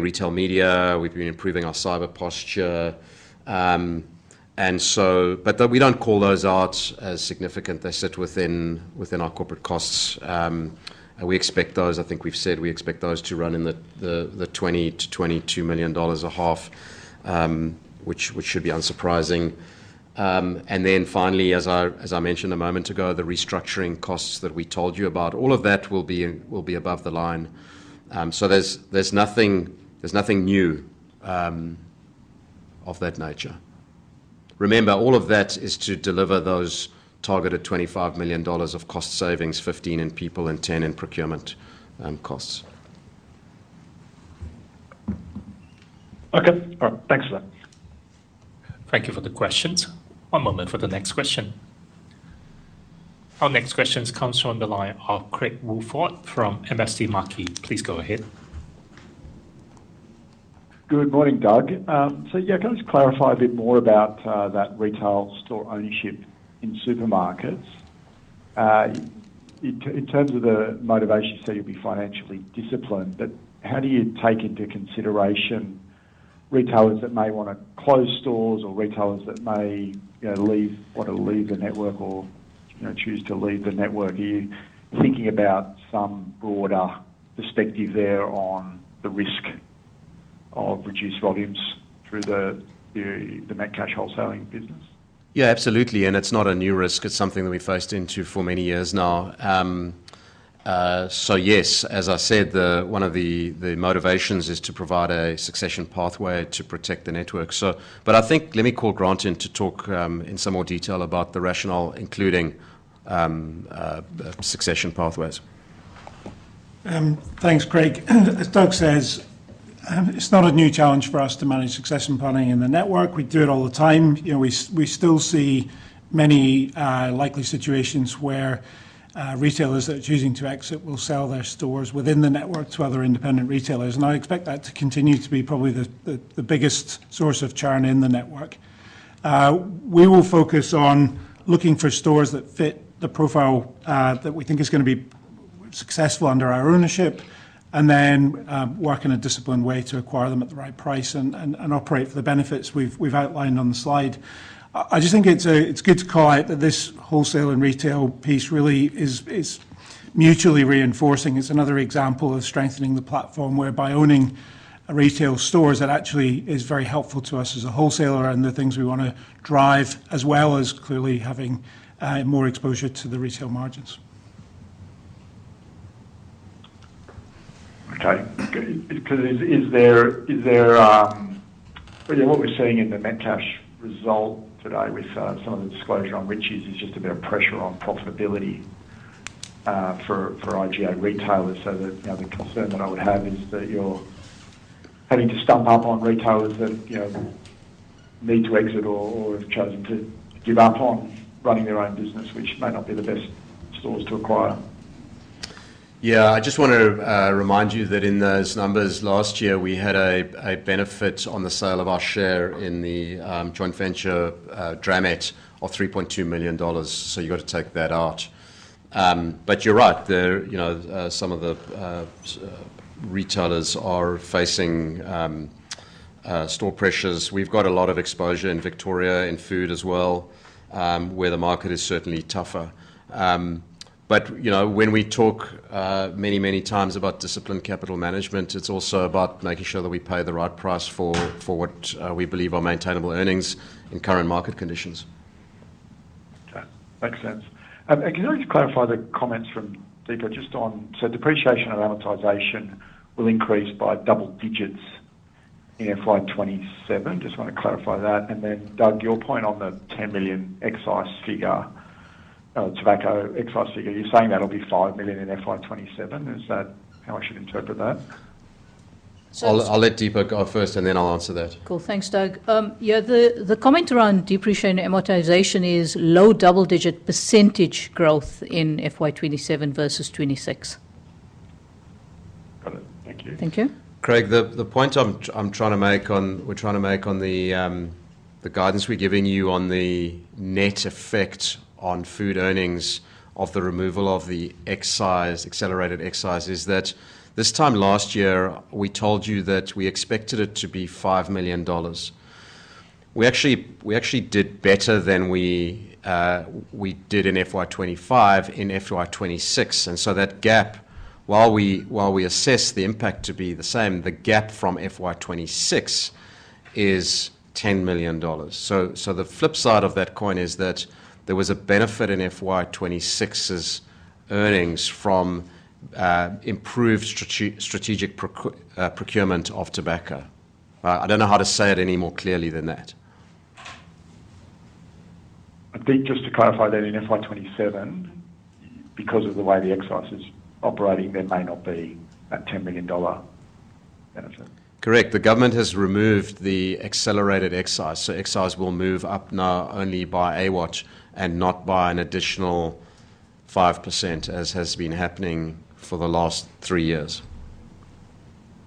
retail media. We've been improving our cyber posture. We don't call those out as significant. They sit within our corporate costs. I think we've said we expect those to run in the 20 million-22 million dollars a half, which should be unsurprising. Finally, as I mentioned a moment ago, the restructuring costs that we told you about, all of that will be above the line. There's nothing new of that nature. Remember, all of that is to deliver those targeted 25 million dollars of cost savings, 15 in people and 10 in procurement costs. Okay. All right. Thanks for that. Thank you for the questions. One moment for the next question. Our next question comes from the line of Craig Woolford from MST Marquee. Please go ahead. Good morning, Doug. Can I just clarify a bit more about that retail store ownership in supermarkets? In terms of the motivation, you said you'll be financially disciplined, how do you take into consideration retailers that may want to close stores or retailers that may want to leave the network or choose to leave the network? Are you thinking about some broader perspective there on the risk of reduced volumes through the Metcash wholesaling business? Absolutely. It's not a new risk. It's something that we faced into for many years now. As I said, one of the motivations is to provide a succession pathway to protect the network. I think let me call Grant in to talk in some more detail about the rationale, including succession pathways. Thanks, Craig. As Doug says, it's not a new challenge for us to manage succession planning in the network. We do it all the time. We still see many likely situations where retailers that are choosing to exit will sell their stores within the network to other independent retailers. I expect that to continue to be probably the biggest source of churn in the network. We will focus on looking for stores that fit the profile that we think is going to be successful under our ownership, work in a disciplined way to acquire them at the right price and operate for the benefits we've outlined on the slide. I just think it's good to call out that this wholesale and retail piece really is mutually reinforcing. It's another example of strengthening the platform, whereby owning retail stores that actually is very helpful to us as a wholesaler and the things we want to drive, as well as clearly having more exposure to the retail margins. Okay. What we're seeing in the Metcash result today with some of the disclosure on Ritchies is just a bit of pressure on profitability for IGA retailers. The concern that I would have is that you're having to stump up on retailers that need to exit or have chosen to give up on running their own business, which may not be the best stores to acquire. Yeah. I just want to remind you that in those numbers, last year we had a benefit on the sale of our share in the joint venture, Dramet, of 3.2 million dollars. You've got to take that out. You're right, some of the retailers are facing store pressures. We've got a lot of exposure in Victoria, in food as well, where the market is certainly tougher. When we talk many, many times about disciplined capital management, it's also about making sure that we pay the right price for what we believe are maintainable earnings in current market conditions. Okay. Makes sense. Can I just clarify the comments from Deepa just on, depreciation and amortization will increase by double digits in FY 2027. Just want to clarify that. Then Doug, your point on the 10 million excise figure, tobacco excise figure, you're saying that'll be 5 million in FY 2027. Is that how I should interpret that? I'll let Deepa go first and then I'll answer that. Cool. Thanks, Doug. The comment around depreciation and amortization is low double-digit percentage growth in FY 2027 versus 2026. Got it. Thank you. Thank you. Craig, the point we're trying to make on the guidance we're giving you on the net effect on food earnings of the removal of the accelerated excise is that this time last year, we told you that we expected it to be 5 million dollars. We actually did better than we did in FY 2025, in FY 2026. That gap, while we assess the impact to be the same, the gap from FY 2026 is 10 million dollars. The flip side of that coin is that there was a benefit in FY 2026's earnings from improved strategic procurement of tobacco. I don't know how to say it any more clearly than that. I think just to clarify that in FY 2027, because of the way the excise is operating, there may not be that 10 million dollar benefit. Correct. The government has removed the accelerated excise, so excise will move up now only by AWOTE and not by an additional 5%, as has been happening for the last three years.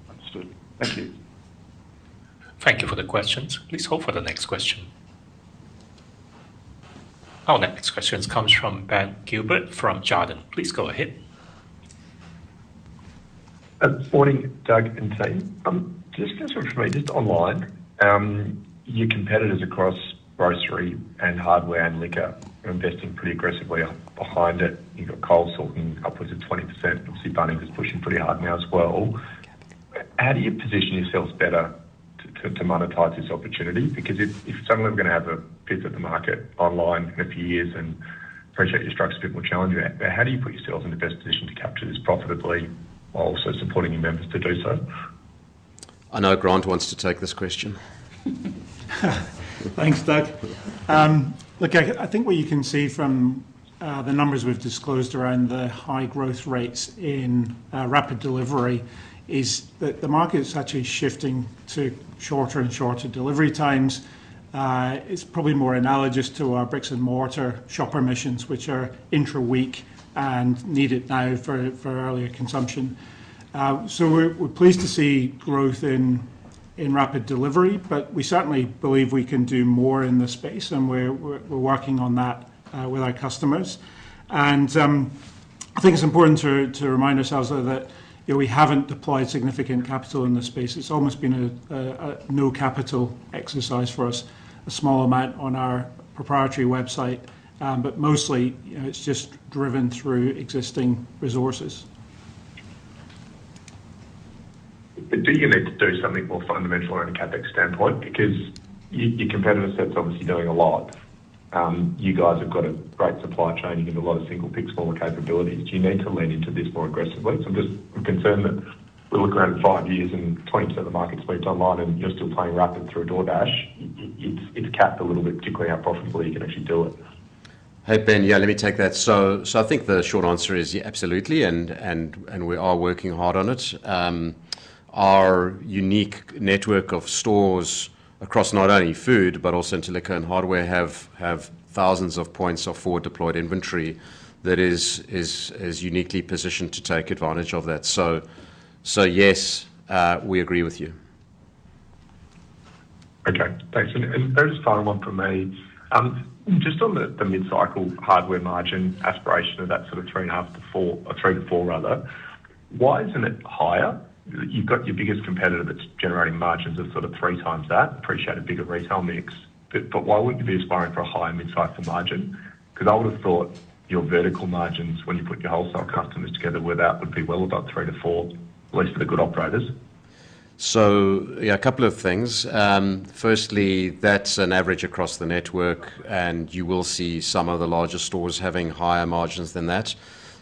Understood. Thank you. Thank you for the questions. Please hold for the next question. Our next questions comes from Ben Gilbert from Jarden. Please go ahead. Morning, Doug and team. Just answer for me, just online, your competitors across grocery and hardware and liquor are investing pretty aggressively behind it. You've got Coles sourcing upwards of 20%. Obviously Bunnings is pushing pretty hard now as well. How do you position yourselves better to monetize this opportunity? If suddenly we're going to have 1/5 of the market online in a few years and appreciate your structure's a bit more challenging, but how do you put yourselves in the best position to capture this profitably while also supporting your members to do so? I know Grant wants to take this question. Thanks, Doug. Look, I think what you can see from the numbers we've disclosed around the high growth rates in rapid delivery is that the market is actually shifting to shorter and shorter delivery times. It's probably more analogous to our bricks and mortar shopper missions, which are intra-week and needed now for earlier consumption. We're pleased to see growth in rapid delivery, but we certainly believe we can do more in this space, and we're working on that with our customers. I think it's important to remind ourselves, though, that we haven't deployed significant capital in this space. It's almost been a no-capital exercise for us. A small amount on our proprietary website, but mostly it's just driven through existing resources. Do you need to do something more fundamental on a CapEx standpoint? Your competitor set's obviously doing a lot. You guys have got a great supply chain. You have a lot of single-pick small capabilities. Do you need to lean into this more aggressively? I'm concerned that we look around in five years and 20% of the market's moved online and you're still playing rapid through DoorDash. It's capped a little bit, particularly how profitably you can actually do it. Hey, Ben. Yeah, let me take that. I think the short answer is yeah, absolutely. We are working hard on it. Our unique network of stores across not only food, but also into liquor and hardware, have thousands of points of forward deployed inventory that is uniquely positioned to take advantage of that. Yes, we agree with you. Okay, thanks. There is a final one from me. Just on the mid-cycle hardware margin aspiration of that sort of three and a half to four, or three to four rather, why isn't it higher? You've got your biggest competitor that's generating margins of sort of 3x that. Appreciate a bigger retail mix, but why wouldn't you be aspiring for a higher mid-cycle margin? Because I would have thought your vertical margins, when you put your wholesale customers together with that, would be well about three to four, at least for the good operators. Yeah, a couple of things. Firstly, that's an average across the network. You will see some of the larger stores having higher margins than that.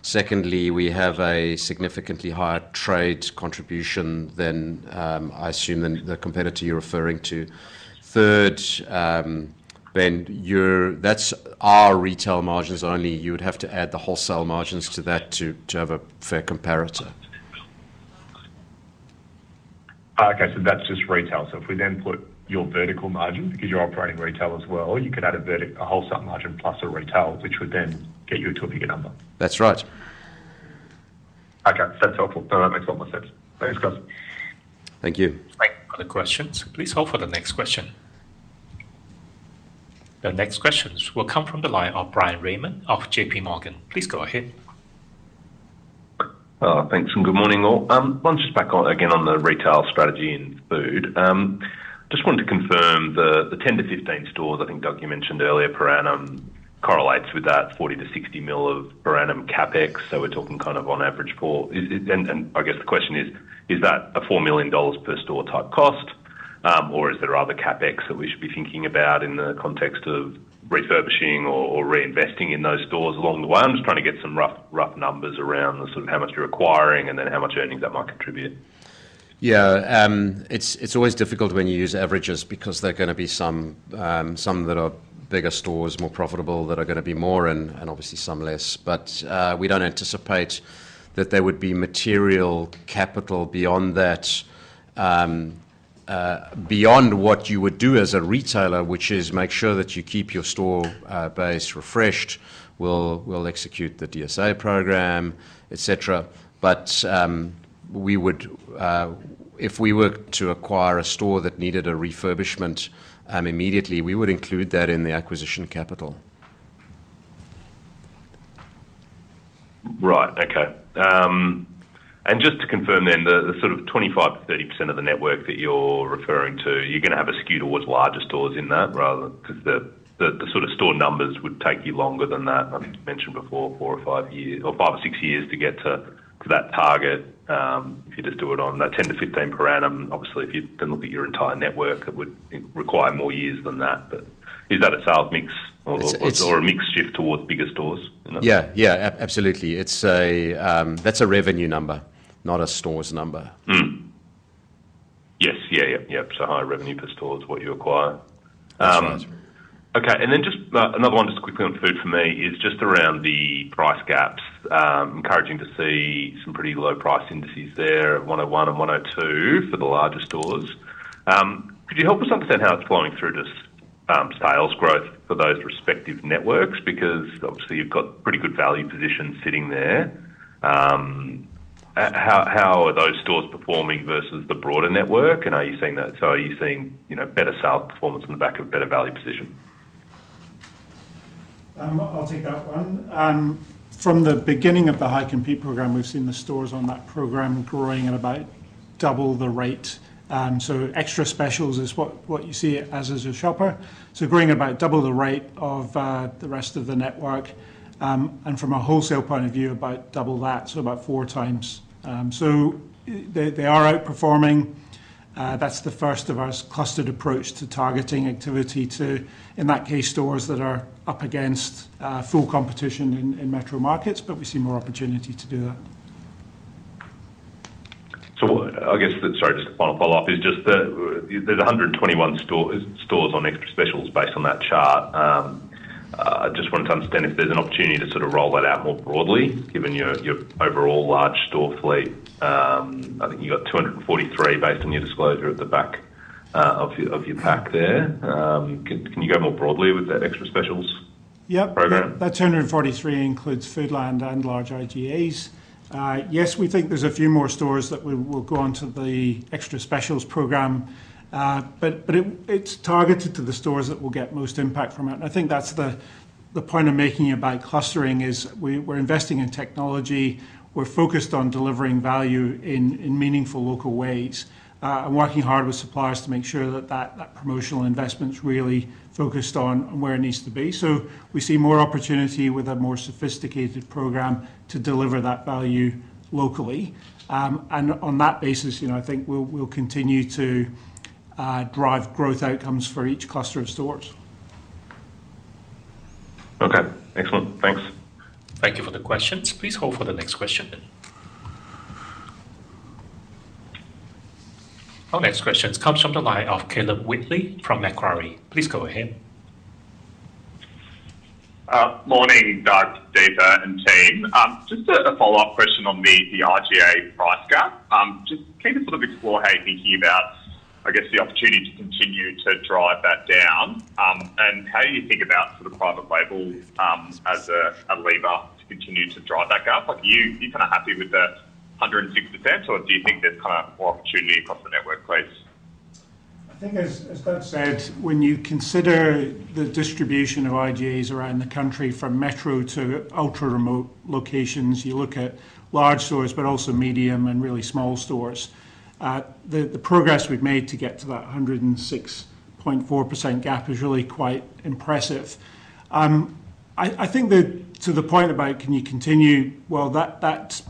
Secondly, we have a significantly higher trade contribution than, I assume, the competitor you're referring to. Third, Ben, that's our retail margins only. You would have to add the wholesale margins to that to have a fair comparator. Okay, that's just retail. If we then put your vertical margin, because you're operating retail as well, you could add a wholesale margin plus a retail, which would then get you to a bigger number. That's right. Okay. That's helpful. That makes a lot more sense. Thanks, guys. Thank you. Thank you. For the questions, please hold for the next question. The next questions will come from the line of Bryan Raymond of JPMorgan. Please go ahead. Thanks, and good morning, all. I want to just back again on the retail strategy and food. Just wanted to confirm the 10-15 stores, I think, Doug, you mentioned earlier per annum correlates with that 40 million-60 million of per annum CapEx. We're talking kind of on average pool. I guess, the question is: Is that an 4 million dollars per store type cost? Or is there other CapEx that we should be thinking about in the context of refurbishing or reinvesting in those stores along the way? I'm just trying to get some rough numbers around the sort of how much you're acquiring and then how much earnings that might contribute. Yeah. It's always difficult when you use averages because there are going to be some that are bigger stores, more profitable, that are going to be more, and obviously some less. We don't anticipate that there would be material capital beyond what you would do as a retailer, which is make sure that you keep your store base refreshed. We'll execute the DSA program, et cetera. If we were to acquire a store that needed a refurbishment immediately, we would include that in the acquisition capital. Right. Okay. Just to confirm then, the sort of 25%-30% of the network that you're referring to, you're going to have a skew towards larger stores in that rather than Because the sort of store numbers would take you longer than that. You mentioned before four or five years, or five or six years to get to that target, if you just do it on the 10-15 per annum. Obviously, if you then look at your entire network, it would require more years than that. Is that a sales mix or a mix shift towards bigger stores in that? Yeah. Absolutely. That's a revenue number, not a stores number. Yes. Yep. Higher revenue per store is what you acquire. That's right. Okay. Just another one, just quickly on food for me is just around the price gaps. Encouraging to see some pretty low price indices there at 101 and 102 for the larger stores. Could you help us understand how it's flowing through just sales growth for those respective networks? Obviously you've got pretty good value position sitting there. How are those stores performing versus the broader network, are you seeing better sales performance on the back of better value position? I'll take that one. From the beginning of the high-compete program, we've seen the stores on that program growing at about double the rate. Extra Specials is what you see as a shopper. Growing about double the rate of the rest of the network. From a wholesale point of view, about double that, about four times. They are outperforming. That's the first of our clustered approach to targeting activity to, in that case, stores that are up against full competition in metro markets. We see more opportunity to do that. I guess, sorry, just one follow-up is just there's 121 stores on Extra Specials based on that chart. I just wanted to understand if there's an opportunity to sort of roll that out more broadly given your overall large store fleet. I think you got 243 based on your disclosure at the back of your pack there. Can you go more broadly with that Extra Specials program? Yep. That 243 includes Foodland and large IGAs. Yes, we think there's a few more stores that will go onto the Extra Specials program. It's targeted to the stores that will get most impact from it. I think that's the point I'm making about clustering is we're investing in technology. We're focused on delivering value in meaningful local ways, and working hard with suppliers to make sure that that promotional investment's really focused on where it needs to be. We see more opportunity with a more sophisticated program to deliver that value locally. On that basis, I think we'll continue to drive growth outcomes for each cluster of stores. Okay. Excellent. Thanks. Thank you for the questions. Please hold for the next question. Our next question comes from the line of Caleb Wheatley from Macquarie. Please go ahead. Morning, Doug, Deepa, and team. A follow-up question on the IGA price gap. Keen to sort of explore how you're thinking about, I guess, the opportunity to continue to drive that down. How you think about sort of private label as a lever to continue to drive that gap. Are you kind of happy with the 106%, or do you think there's kind of more opportunity across the network, please? I think as Doug said, when you consider the distribution of IGAs around the country, from metro to ultra remote locations, you look at large stores, but also medium and really small stores. The progress we've made to get to that 106.4% gap is really quite impressive. I think to the point about can you continue, well, that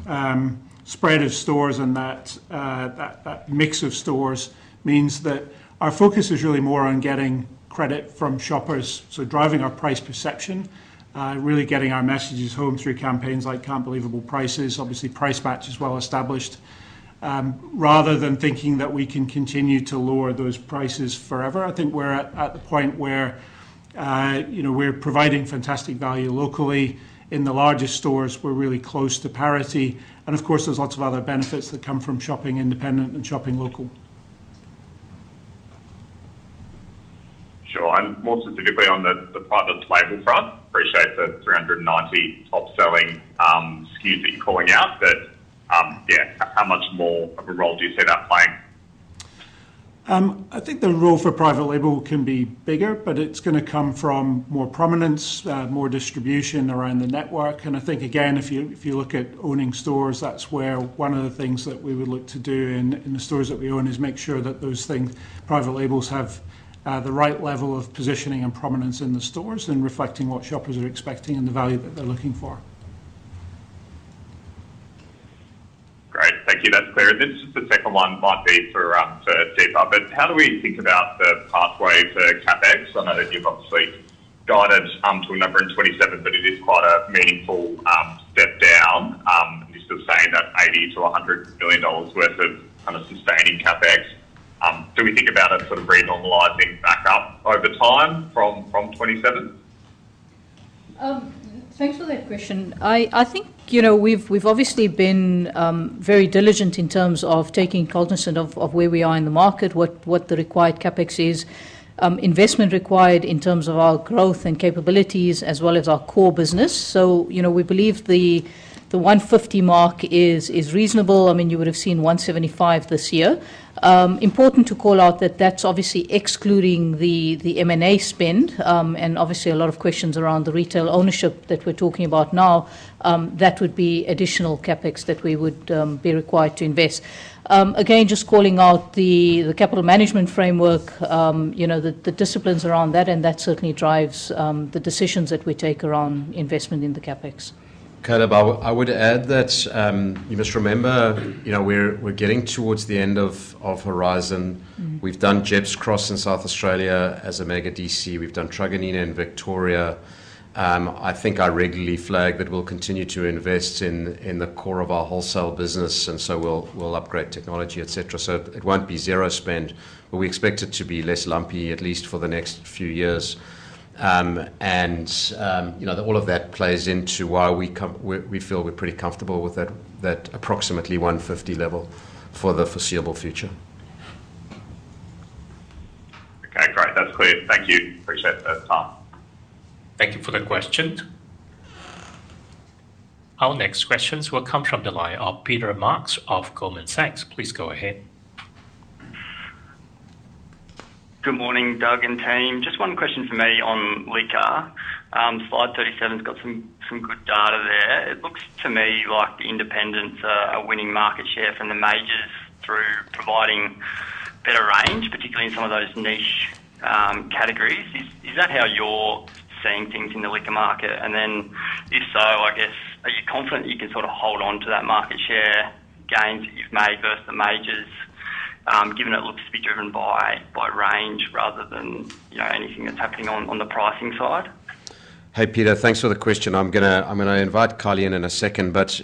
spread of stores and that mix of stores means that our focus is really more on getting credit from shoppers. Driving our price perception, really getting our messages home through campaigns like Can't Believable Prices. Obviously, Price Match is well-established. Rather than thinking that we can continue to lower those prices forever, I think we're at the point where we're providing fantastic value locally. In the largest stores, we're really close to parity, of course, there's lots of other benefits that come from shopping independent and shopping local. Sure. More specifically on the private label front, appreciate the 390 top-selling SKUs that you're calling out. Yeah, how much more of a role do you see that playing? I think the role for private label can be bigger, it's going to come from more prominence, more distribution around the network. I think, again, if you look at owning stores, that's where one of the things that we would look to do in the stores that we own is make sure that those private labels have the right level of positioning and prominence in the stores and reflecting what shoppers are expecting and the value that they're looking for. Great. Thank you. That's clear. Then just the second one might be for Deepa. How do we think about the pathway to CapEx? I know that you've obviously guided to a number in 2027, but it is quite a meaningful step down. You sort of saying that 80 million-100 million dollars worth of sustaining CapEx. Do we think about it sort of normalizing back up over time from 2027? Thanks for that question. I think we've obviously been very diligent in terms of taking cognizant of where we are in the market, what the required CapEx is, investment required in terms of our growth and capabilities as well as our core business. We believe the 150 million mark is reasonable. You would've seen 175 million this year. Important to call out that that's obviously excluding the M&A spend, and obviously a lot of questions around the retail ownership that we're talking about now. That would be additional CapEx that we would be required to invest. Again, just calling out the capital management framework, the disciplines around that, and that certainly drives the decisions that we take around investment in the CapEx. Caleb, I would add that you must remember we're getting towards the end of Horizon. We've done Gepps Cross in South Australia as a mega DC. We've done Truganina in Victoria. I think I regularly flag that we'll continue to invest in the core of our wholesale business. We'll upgrade technology, et cetera. It won't be zero spend, but we expect it to be less lumpy, at least for the next few years. All of that plays into why we feel we're pretty comfortable with that approximately 150 million level for the foreseeable future. Okay, great. That's clear. Thank you. Appreciate the time. Thank you for the question. Our next questions will come from the line of Peter Marks of Goldman Sachs. Please go ahead. Good morning, Doug and team. Just one question from me on liquor. Slide 37's got some good data there. It looks to me like the independents are winning market share from the majors through providing better range, particularly in some of those niche categories. Is that how you're seeing things in the liquor market? If so, I guess, are you confident you can sort of hold onto that market share gains that you've made versus the majors, given it looks to be driven by range rather than anything that's happening on the pricing side? Hey, Peter. Thanks for the question. I'm gonna invite Kylie in in a second, but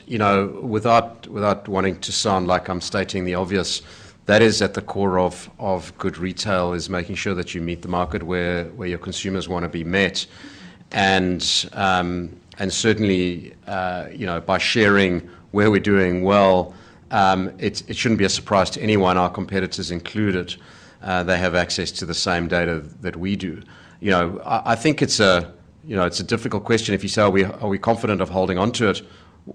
without wanting to sound like I'm stating the obvious, that is at the core of good retail, is making sure that you meet the market where your consumers want to be met. Certainly, by sharing where we're doing well, it shouldn't be a surprise to anyone, our competitors included, they have access to the same data that we do. I think it's a difficult question if you say, are we confident of holding onto it?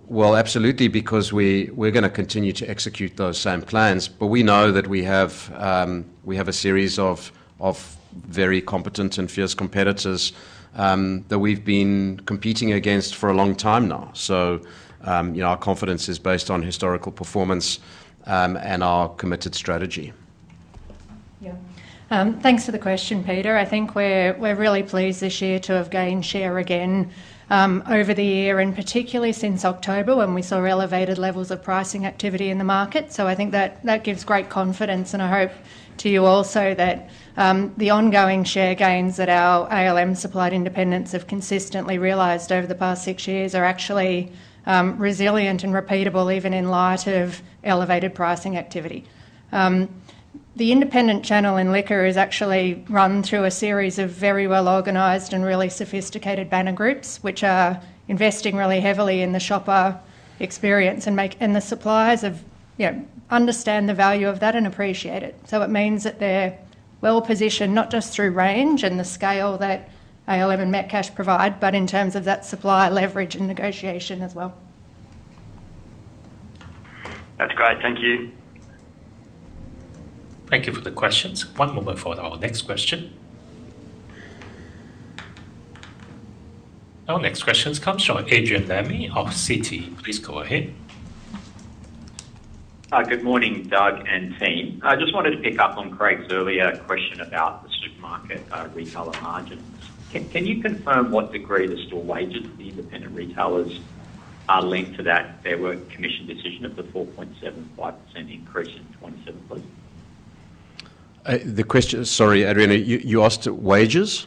Well, absolutely, because we're gonna continue to execute those same plans, but we know that we have a series of very competent and fierce competitors that we've been competing against for a long time now. Our confidence is based on historical performance, and our committed strategy. Yeah. Thanks for the question, Peter. I think we are really pleased this year to have gained share again over the year, and particularly since October when we saw elevated levels of pricing activity in the market. So I think that gives great confidence, and I hope to you also that the ongoing share gains that our ALM-supplied independents have consistently realized over the past six years are actually resilient and repeatable, even in light of elevated pricing activity. The independent channel in liquor is actually run through a series of very well-organized and really sophisticated banner groups, which are investing really heavily in the shopper experience and the suppliers understand the value of that and appreciate it. So it means that they are well-positioned, not just through range and the scale that ALM and Metcash provide, but in terms of that supplier leverage and negotiation as well. That's great. Thank you. Thank you for the questions. One moment for our next question. Our next questions comes from Adrian Lemme of Citi. Please go ahead. Hi. Good morning, Doug and team. I just wanted to pick up on Craig's earlier question about the supermarket retailer margin. Can you confirm what degree the store wages for the independent retailers are linked to that Fair Work Commission decision of the 4.75% increase in 2027, please? Sorry, Adrian, you asked wages?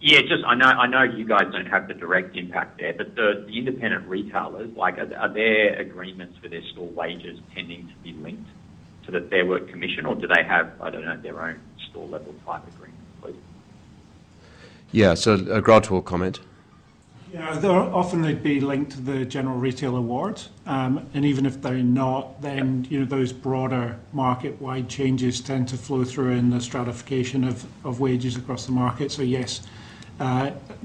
Yeah. I know you guys don't have the direct impact there, but the independent retailers, are their agreements for their store wages tending to be linked to the Fair Work Commission, or do they have, I don't know, their own store-level type agreements, please? Yeah. Grant will comment. Yeah. Often they'd be linked to the general retail award. Even if they're not, then those broader market-wide changes tend to flow through in the stratification of wages across the market. Yes,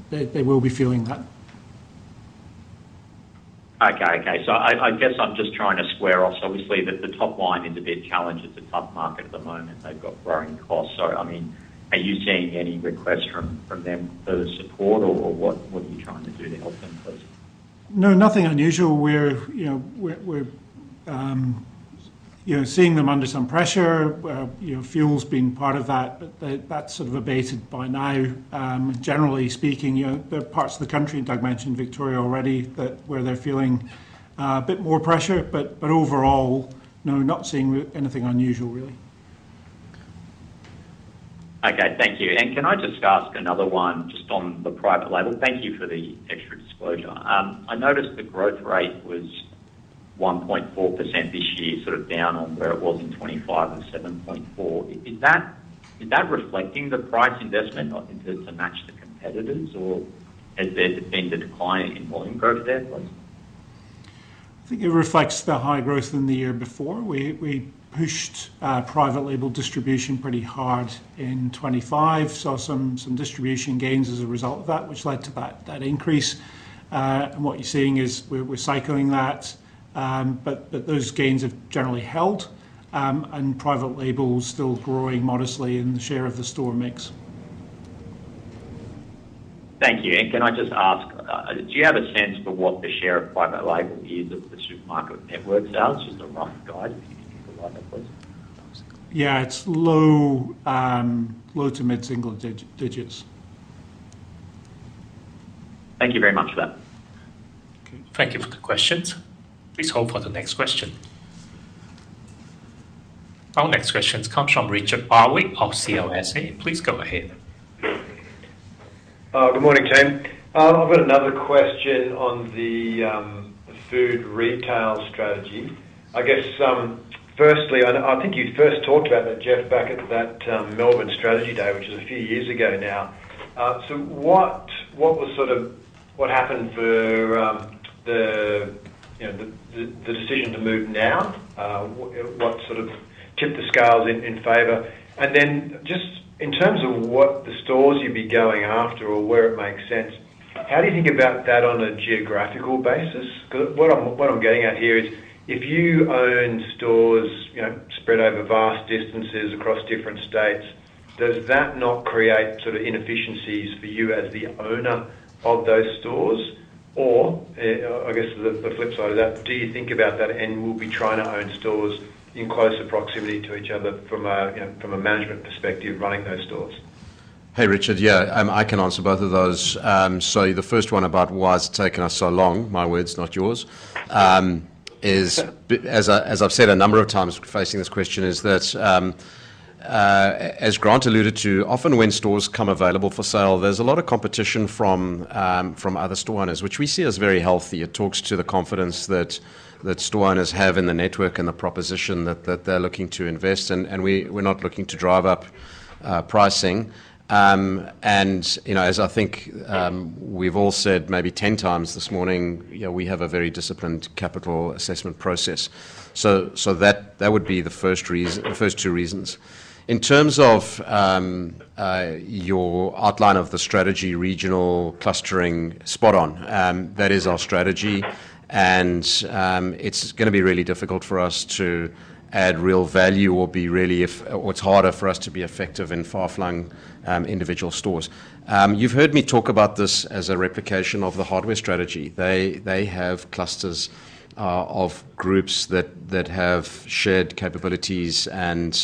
they will be feeling that. Okay. I guess I'm just trying to square off, obviously, that the top line is a bit challenged. It's a tough market at the moment. They've got growing costs. Are you seeing any requests from them for support, or what are you trying to do to help them, please? No, nothing unusual. We're seeing them under some pressure, fuel's been part of that. That's abated by now. Generally speaking, there are parts of the country, and Doug mentioned Victoria already, where they're feeling a bit more pressure. Overall, no, not seeing anything unusual really. Okay. Thank you. Can I just ask another one, just on the private label? Thank you for the extra disclosure. I noticed the growth rate was 1.4% this year, down on where it was in 2025 of 7.4%. Is that reflecting the price investment into to match the competitors, or has there been a decline in volume growth there, please? I think it reflects the high growth in the year before. We pushed private label distribution pretty hard in 2025. Some distribution gains as a result of that, which led to that increase. What you're seeing is we're cycling that. Those gains have generally held, and private label's still growing modestly in the share of the store mix. Thank you. Can I just ask, do you have a sense for what the share of private label is of the supermarket network sales? Just a rough guide, if you could provide that, please. Yeah. It's low to mid-single digits. Thank you very much for that. Thank you for the questions. Please hold for the next question. Our next questions comes from Richard Barwick of CLSA. Please go ahead. Good morning, team. I've got another question on the food retail strategy. I guess, firstly, I think you first talked about that back at that Melbourne strategy day, which is a few years ago now. What happened for the decision to move now? What tipped the scales in favor? Just in terms of what the stores you'd be going after or where it makes sense, how do you think about that on a geographical basis? What I'm getting at here is, if you own stores spread over vast distances across different states, does that not create inefficiencies for you as the owner of those stores? I guess the flip side of that, do you think about that and will be trying to own stores in closer proximity to each other from a management perspective running those stores? Hey, Richard. Yeah. I can answer both of those. The first one about why it's taken us so long, my words, not yours, is, as I've said a number of times facing this question, is that, as Grant alluded to, often when stores come available for sale, there's a lot of competition from other store owners, which we see as very healthy. It talks to the confidence that store owners have in the network and the proposition that they're looking to invest in, and we're not looking to drive up pricing. As I think we've all said maybe 10 times this morning, we have a very disciplined capital assessment process. That would be the first two reasons. In terms of your outline of the strategy, regional clustering, spot on. That is our strategy, and it's going to be really difficult for us to add real value or it's harder for us to be effective in far-flung individual stores. You've heard me talk about this as a replication of the hardware strategy. They have clusters of groups that have shared capabilities and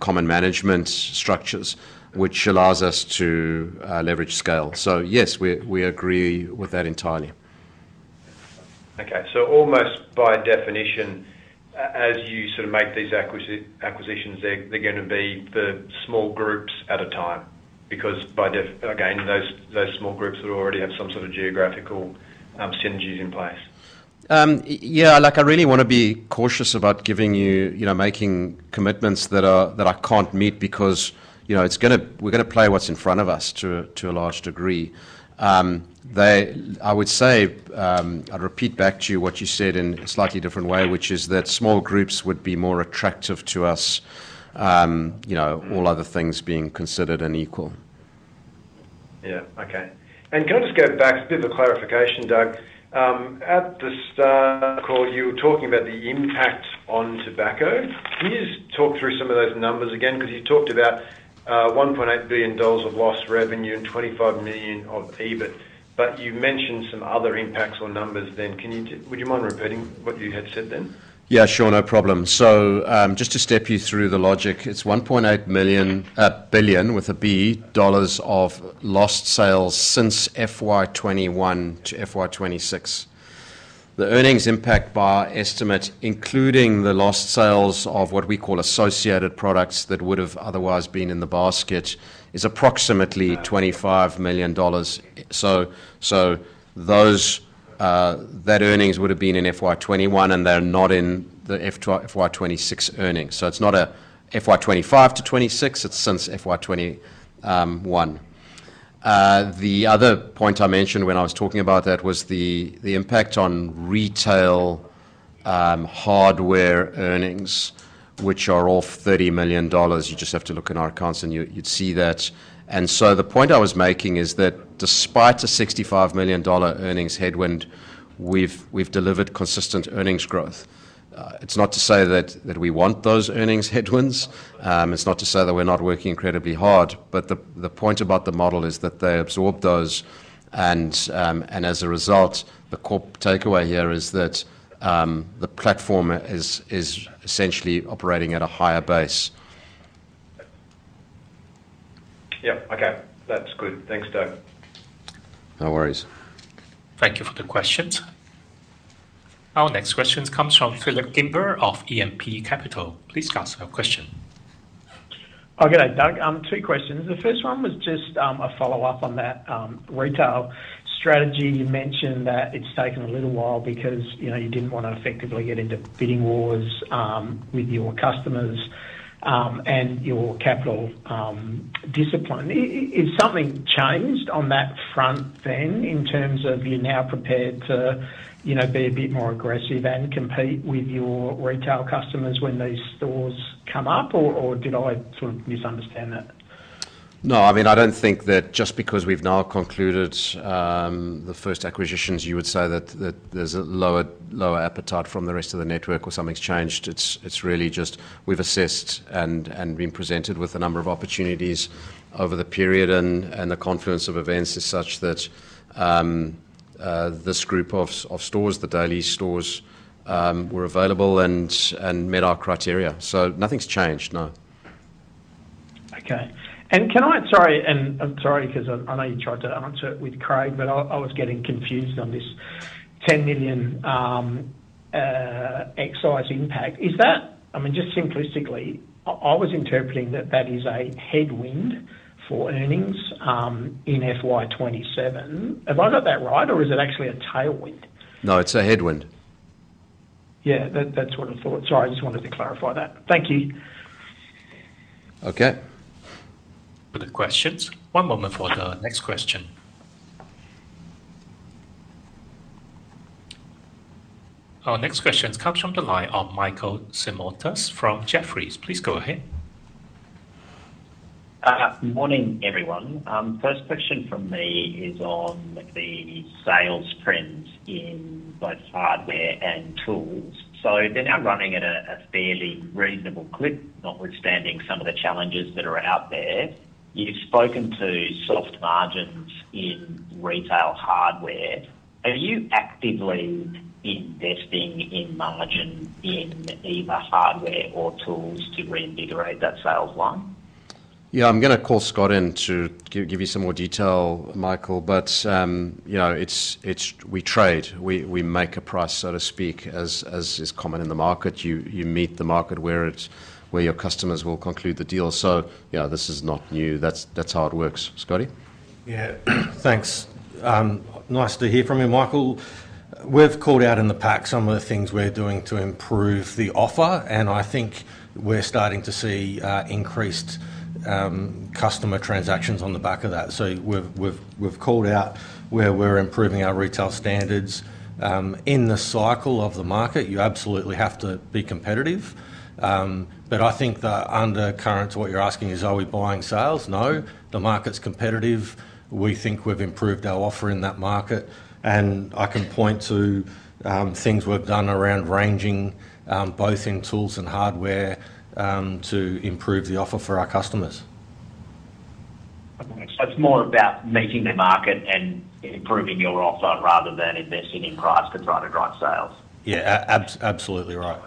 common management structures, which allows us to leverage scale. Yes, we agree with that entirely. Okay. Almost by definition, as you make these acquisitions, they're going to be the small groups at a time. Again, those small groups that already have some sort of geographical synergies in place. I really want to be cautious about making commitments that I can't meet because we're going to play what's in front of us to a large degree. I would say, I'd repeat back to you what you said in a slightly different way, which is that small groups would be more attractive to us all other things being considered and equal. Can I just go back, a bit of a clarification, Doug. At the start of the call, you were talking about the impact on tobacco. Can you just talk through some of those numbers again? Because you talked about 1.8 billion dollars of lost revenue and 25 million of EBIT. You mentioned some other impacts or numbers then. Would you mind repeating what you had said then? Just to step you through the logic, it's 1.8 billion, with a B, of lost sales since FY 2021 to FY 2026. The earnings impact by estimate, including the lost sales of what we call associated products that would've otherwise been in the basket, is approximately AUD 25 million. That earnings would've been in FY 2021 and they're not in the FY 2026 earnings. It's not a FY 2025 to FY 2026, it's since FY 2021. The other point I mentioned when I was talking about that was the impact on retail hardware earnings, which are off 30 million dollars. You just have to look in our accounts and you'd see that. The point I was making is that despite a 65 million dollar earnings headwind, we've delivered consistent earnings growth. It's not to say that we want those earnings headwinds. It's not to say that we're not working incredibly hard. The point about the model is that they absorb those and, as a result, the core takeaway here is that the platform is essentially operating at a higher base. Yeah. Okay. That's good. Thanks, Doug. No worries. Thank you for the questions. Our next question comes from Phillip Kimber of E&P Capital. Please ask your question. Oh, good day, Doug. Two questions. The first one was just a follow-up on that retail strategy. You mentioned that it's taken a little while because you didn't want to effectively get into bidding wars with your customers, and your capital discipline. Has something changed on that front then, in terms of you're now prepared to be a bit more aggressive and compete with your retail customers when these stores come up? Or did I sort of misunderstand that? I don't think that just because we've now concluded the first acquisitions, you would say that there's a lower appetite from the rest of the network or something's changed. It's really just we've assessed and been presented with a number of opportunities over the period, and the confluence of events is such that this group of stores, the Daly's stores, were available and met our criteria. Nothing's changed. No. Okay. Sorry, because I know you tried to answer it with Craig, but I was getting confused on this 10 million excise impact. Is that, just simplistically, I was interpreting that that is a headwind for earnings in FY 2027. Have I got that right or is it actually a tailwind? It's a headwind. Yeah. That's what I thought. Sorry, I just wanted to clarify that. Thank you. Okay. For the questions. One moment for the next question. Our next question comes from the line of Michael Simotas from Jefferies. Please go ahead. Morning, everyone. First question from me is on the sales trends in both hardware and tools. They're now running at a fairly reasonable clip, notwithstanding some of the challenges that are out there. You've spoken to soft margins in retail hardware. Are you actively investing in margin in either hardware or tools to reinvigorate that sales line? Yeah. I'm going to call Scott in to give you some more detail, Michael. We trade. We make a price, so to speak, as is common in the market. You meet the market where your customers will conclude the deal. Yeah, this is not new. That's how it works. Scotty? Yeah. Thanks. Nice to hear from you, Michael. We've called out in the pack some of the things we're doing to improve the offer, and I think we're starting to see increased customer transactions on the back of that. We've called out where we're improving our retail standards. In the cycle of the market, you absolutely have to be competitive. I think that undercurrent to what you're asking is, are we buying sales? No. The market's competitive. We think we've improved our offer in that market, and I can point to things we've done around ranging, both in tools and hardware, to improve the offer for our customers. It's more about meeting the market and improving your offer rather than investing in price to try to drive sales? Absolutely right.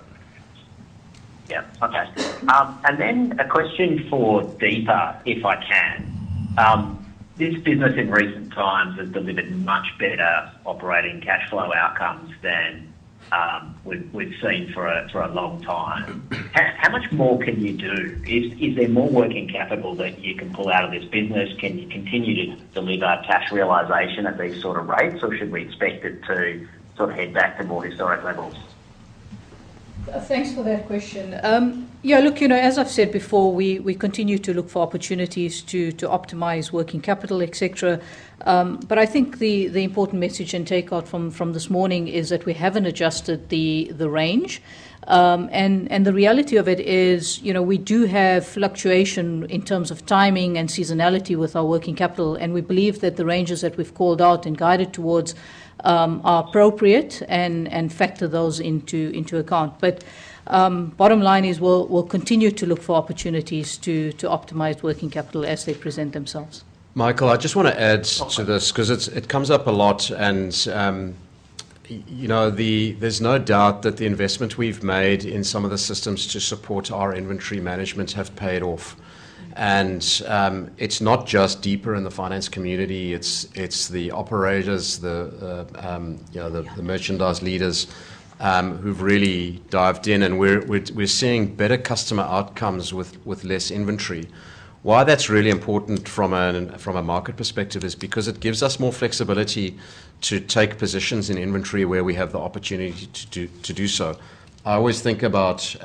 A question for Deepa, if I can. This business in recent times has delivered much better operating cash flow outcomes than we've seen for a long time. How much more can you do? Is there more working capital that you can pull out of this business? Can you continue to deliver cash realization at these sort of rates, or should we expect it to sort of head back to more historic levels? Thanks for that question. As I've said before, we continue to look for opportunities to optimize working capital, et cetera. I think the important message and takeout from this morning is that we haven't adjusted the range. The reality of it is, we do have fluctuation in terms of timing and seasonality with our working capital, and we believe that the ranges that we've called out and guided towards are appropriate and factor those into account. Bottom line is, we'll continue to look for opportunities to optimize working capital as they present themselves. Michael, I just want to add to this because it comes up a lot. There's no doubt that the investment we've made in some of the systems to support our inventory management have paid off. It's not just deeper in the finance community, it's the operators, the merchandise leaders who've really dived in, and we're seeing better customer outcomes with less inventory. Why that's really important from a market perspective is because it gives us more flexibility to take positions in inventory where we have the opportunity to do so. I always think about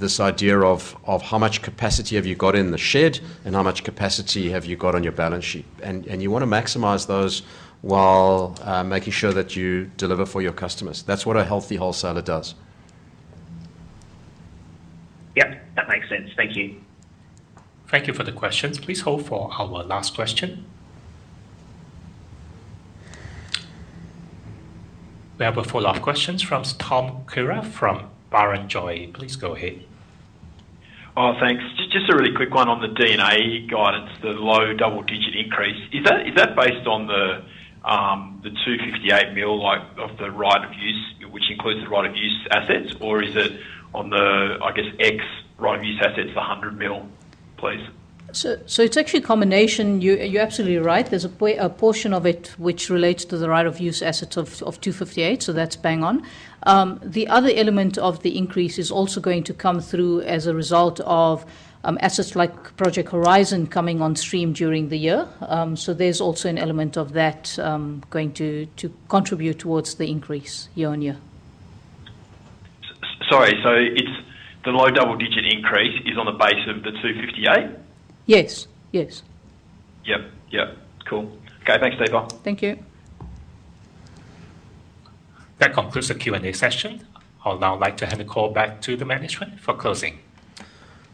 this idea of how much capacity have you got in the shed and how much capacity have you got on your balance sheet. You want to maximize those while making sure that you deliver for your customers. That's what a healthy wholesaler does. Yep. That makes sense. Thank you. Thank you for the questions. Please hold for our last question. We have our fourth lot of questions from Tom Kierath from Barrenjoey. Please go ahead. Thanks. Just a really quick one on the D&A guidance, the low double-digit increase. Is that based on the 258 million of the right of use, which includes the right of use assets, or is it on the, I guess, ex right of use assets, the 100 million, please? It's actually a combination. You're absolutely right. There's a portion of it which relates to the right of use assets of 258, so that's bang on. The other element of the increase is also going to come through as a result of assets like Project Horizon coming on stream during the year. There's also an element of that going to contribute towards the increase year-over-year. Sorry. The low double-digit increase is on the base of the 258? Yes. Yep. Cool. Okay, thanks, Deepa. Thank you. That concludes the Q&A session. I would now like to hand the call back to the management for closing.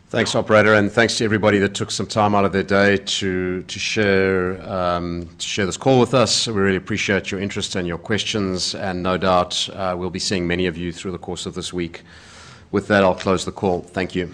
Thanks, operator. Thanks to everybody that took some time out of their day to share this call with us. We really appreciate your interest and your questions. No doubt we'll be seeing many of you through the course of this week. With that, I'll close the call. Thank you.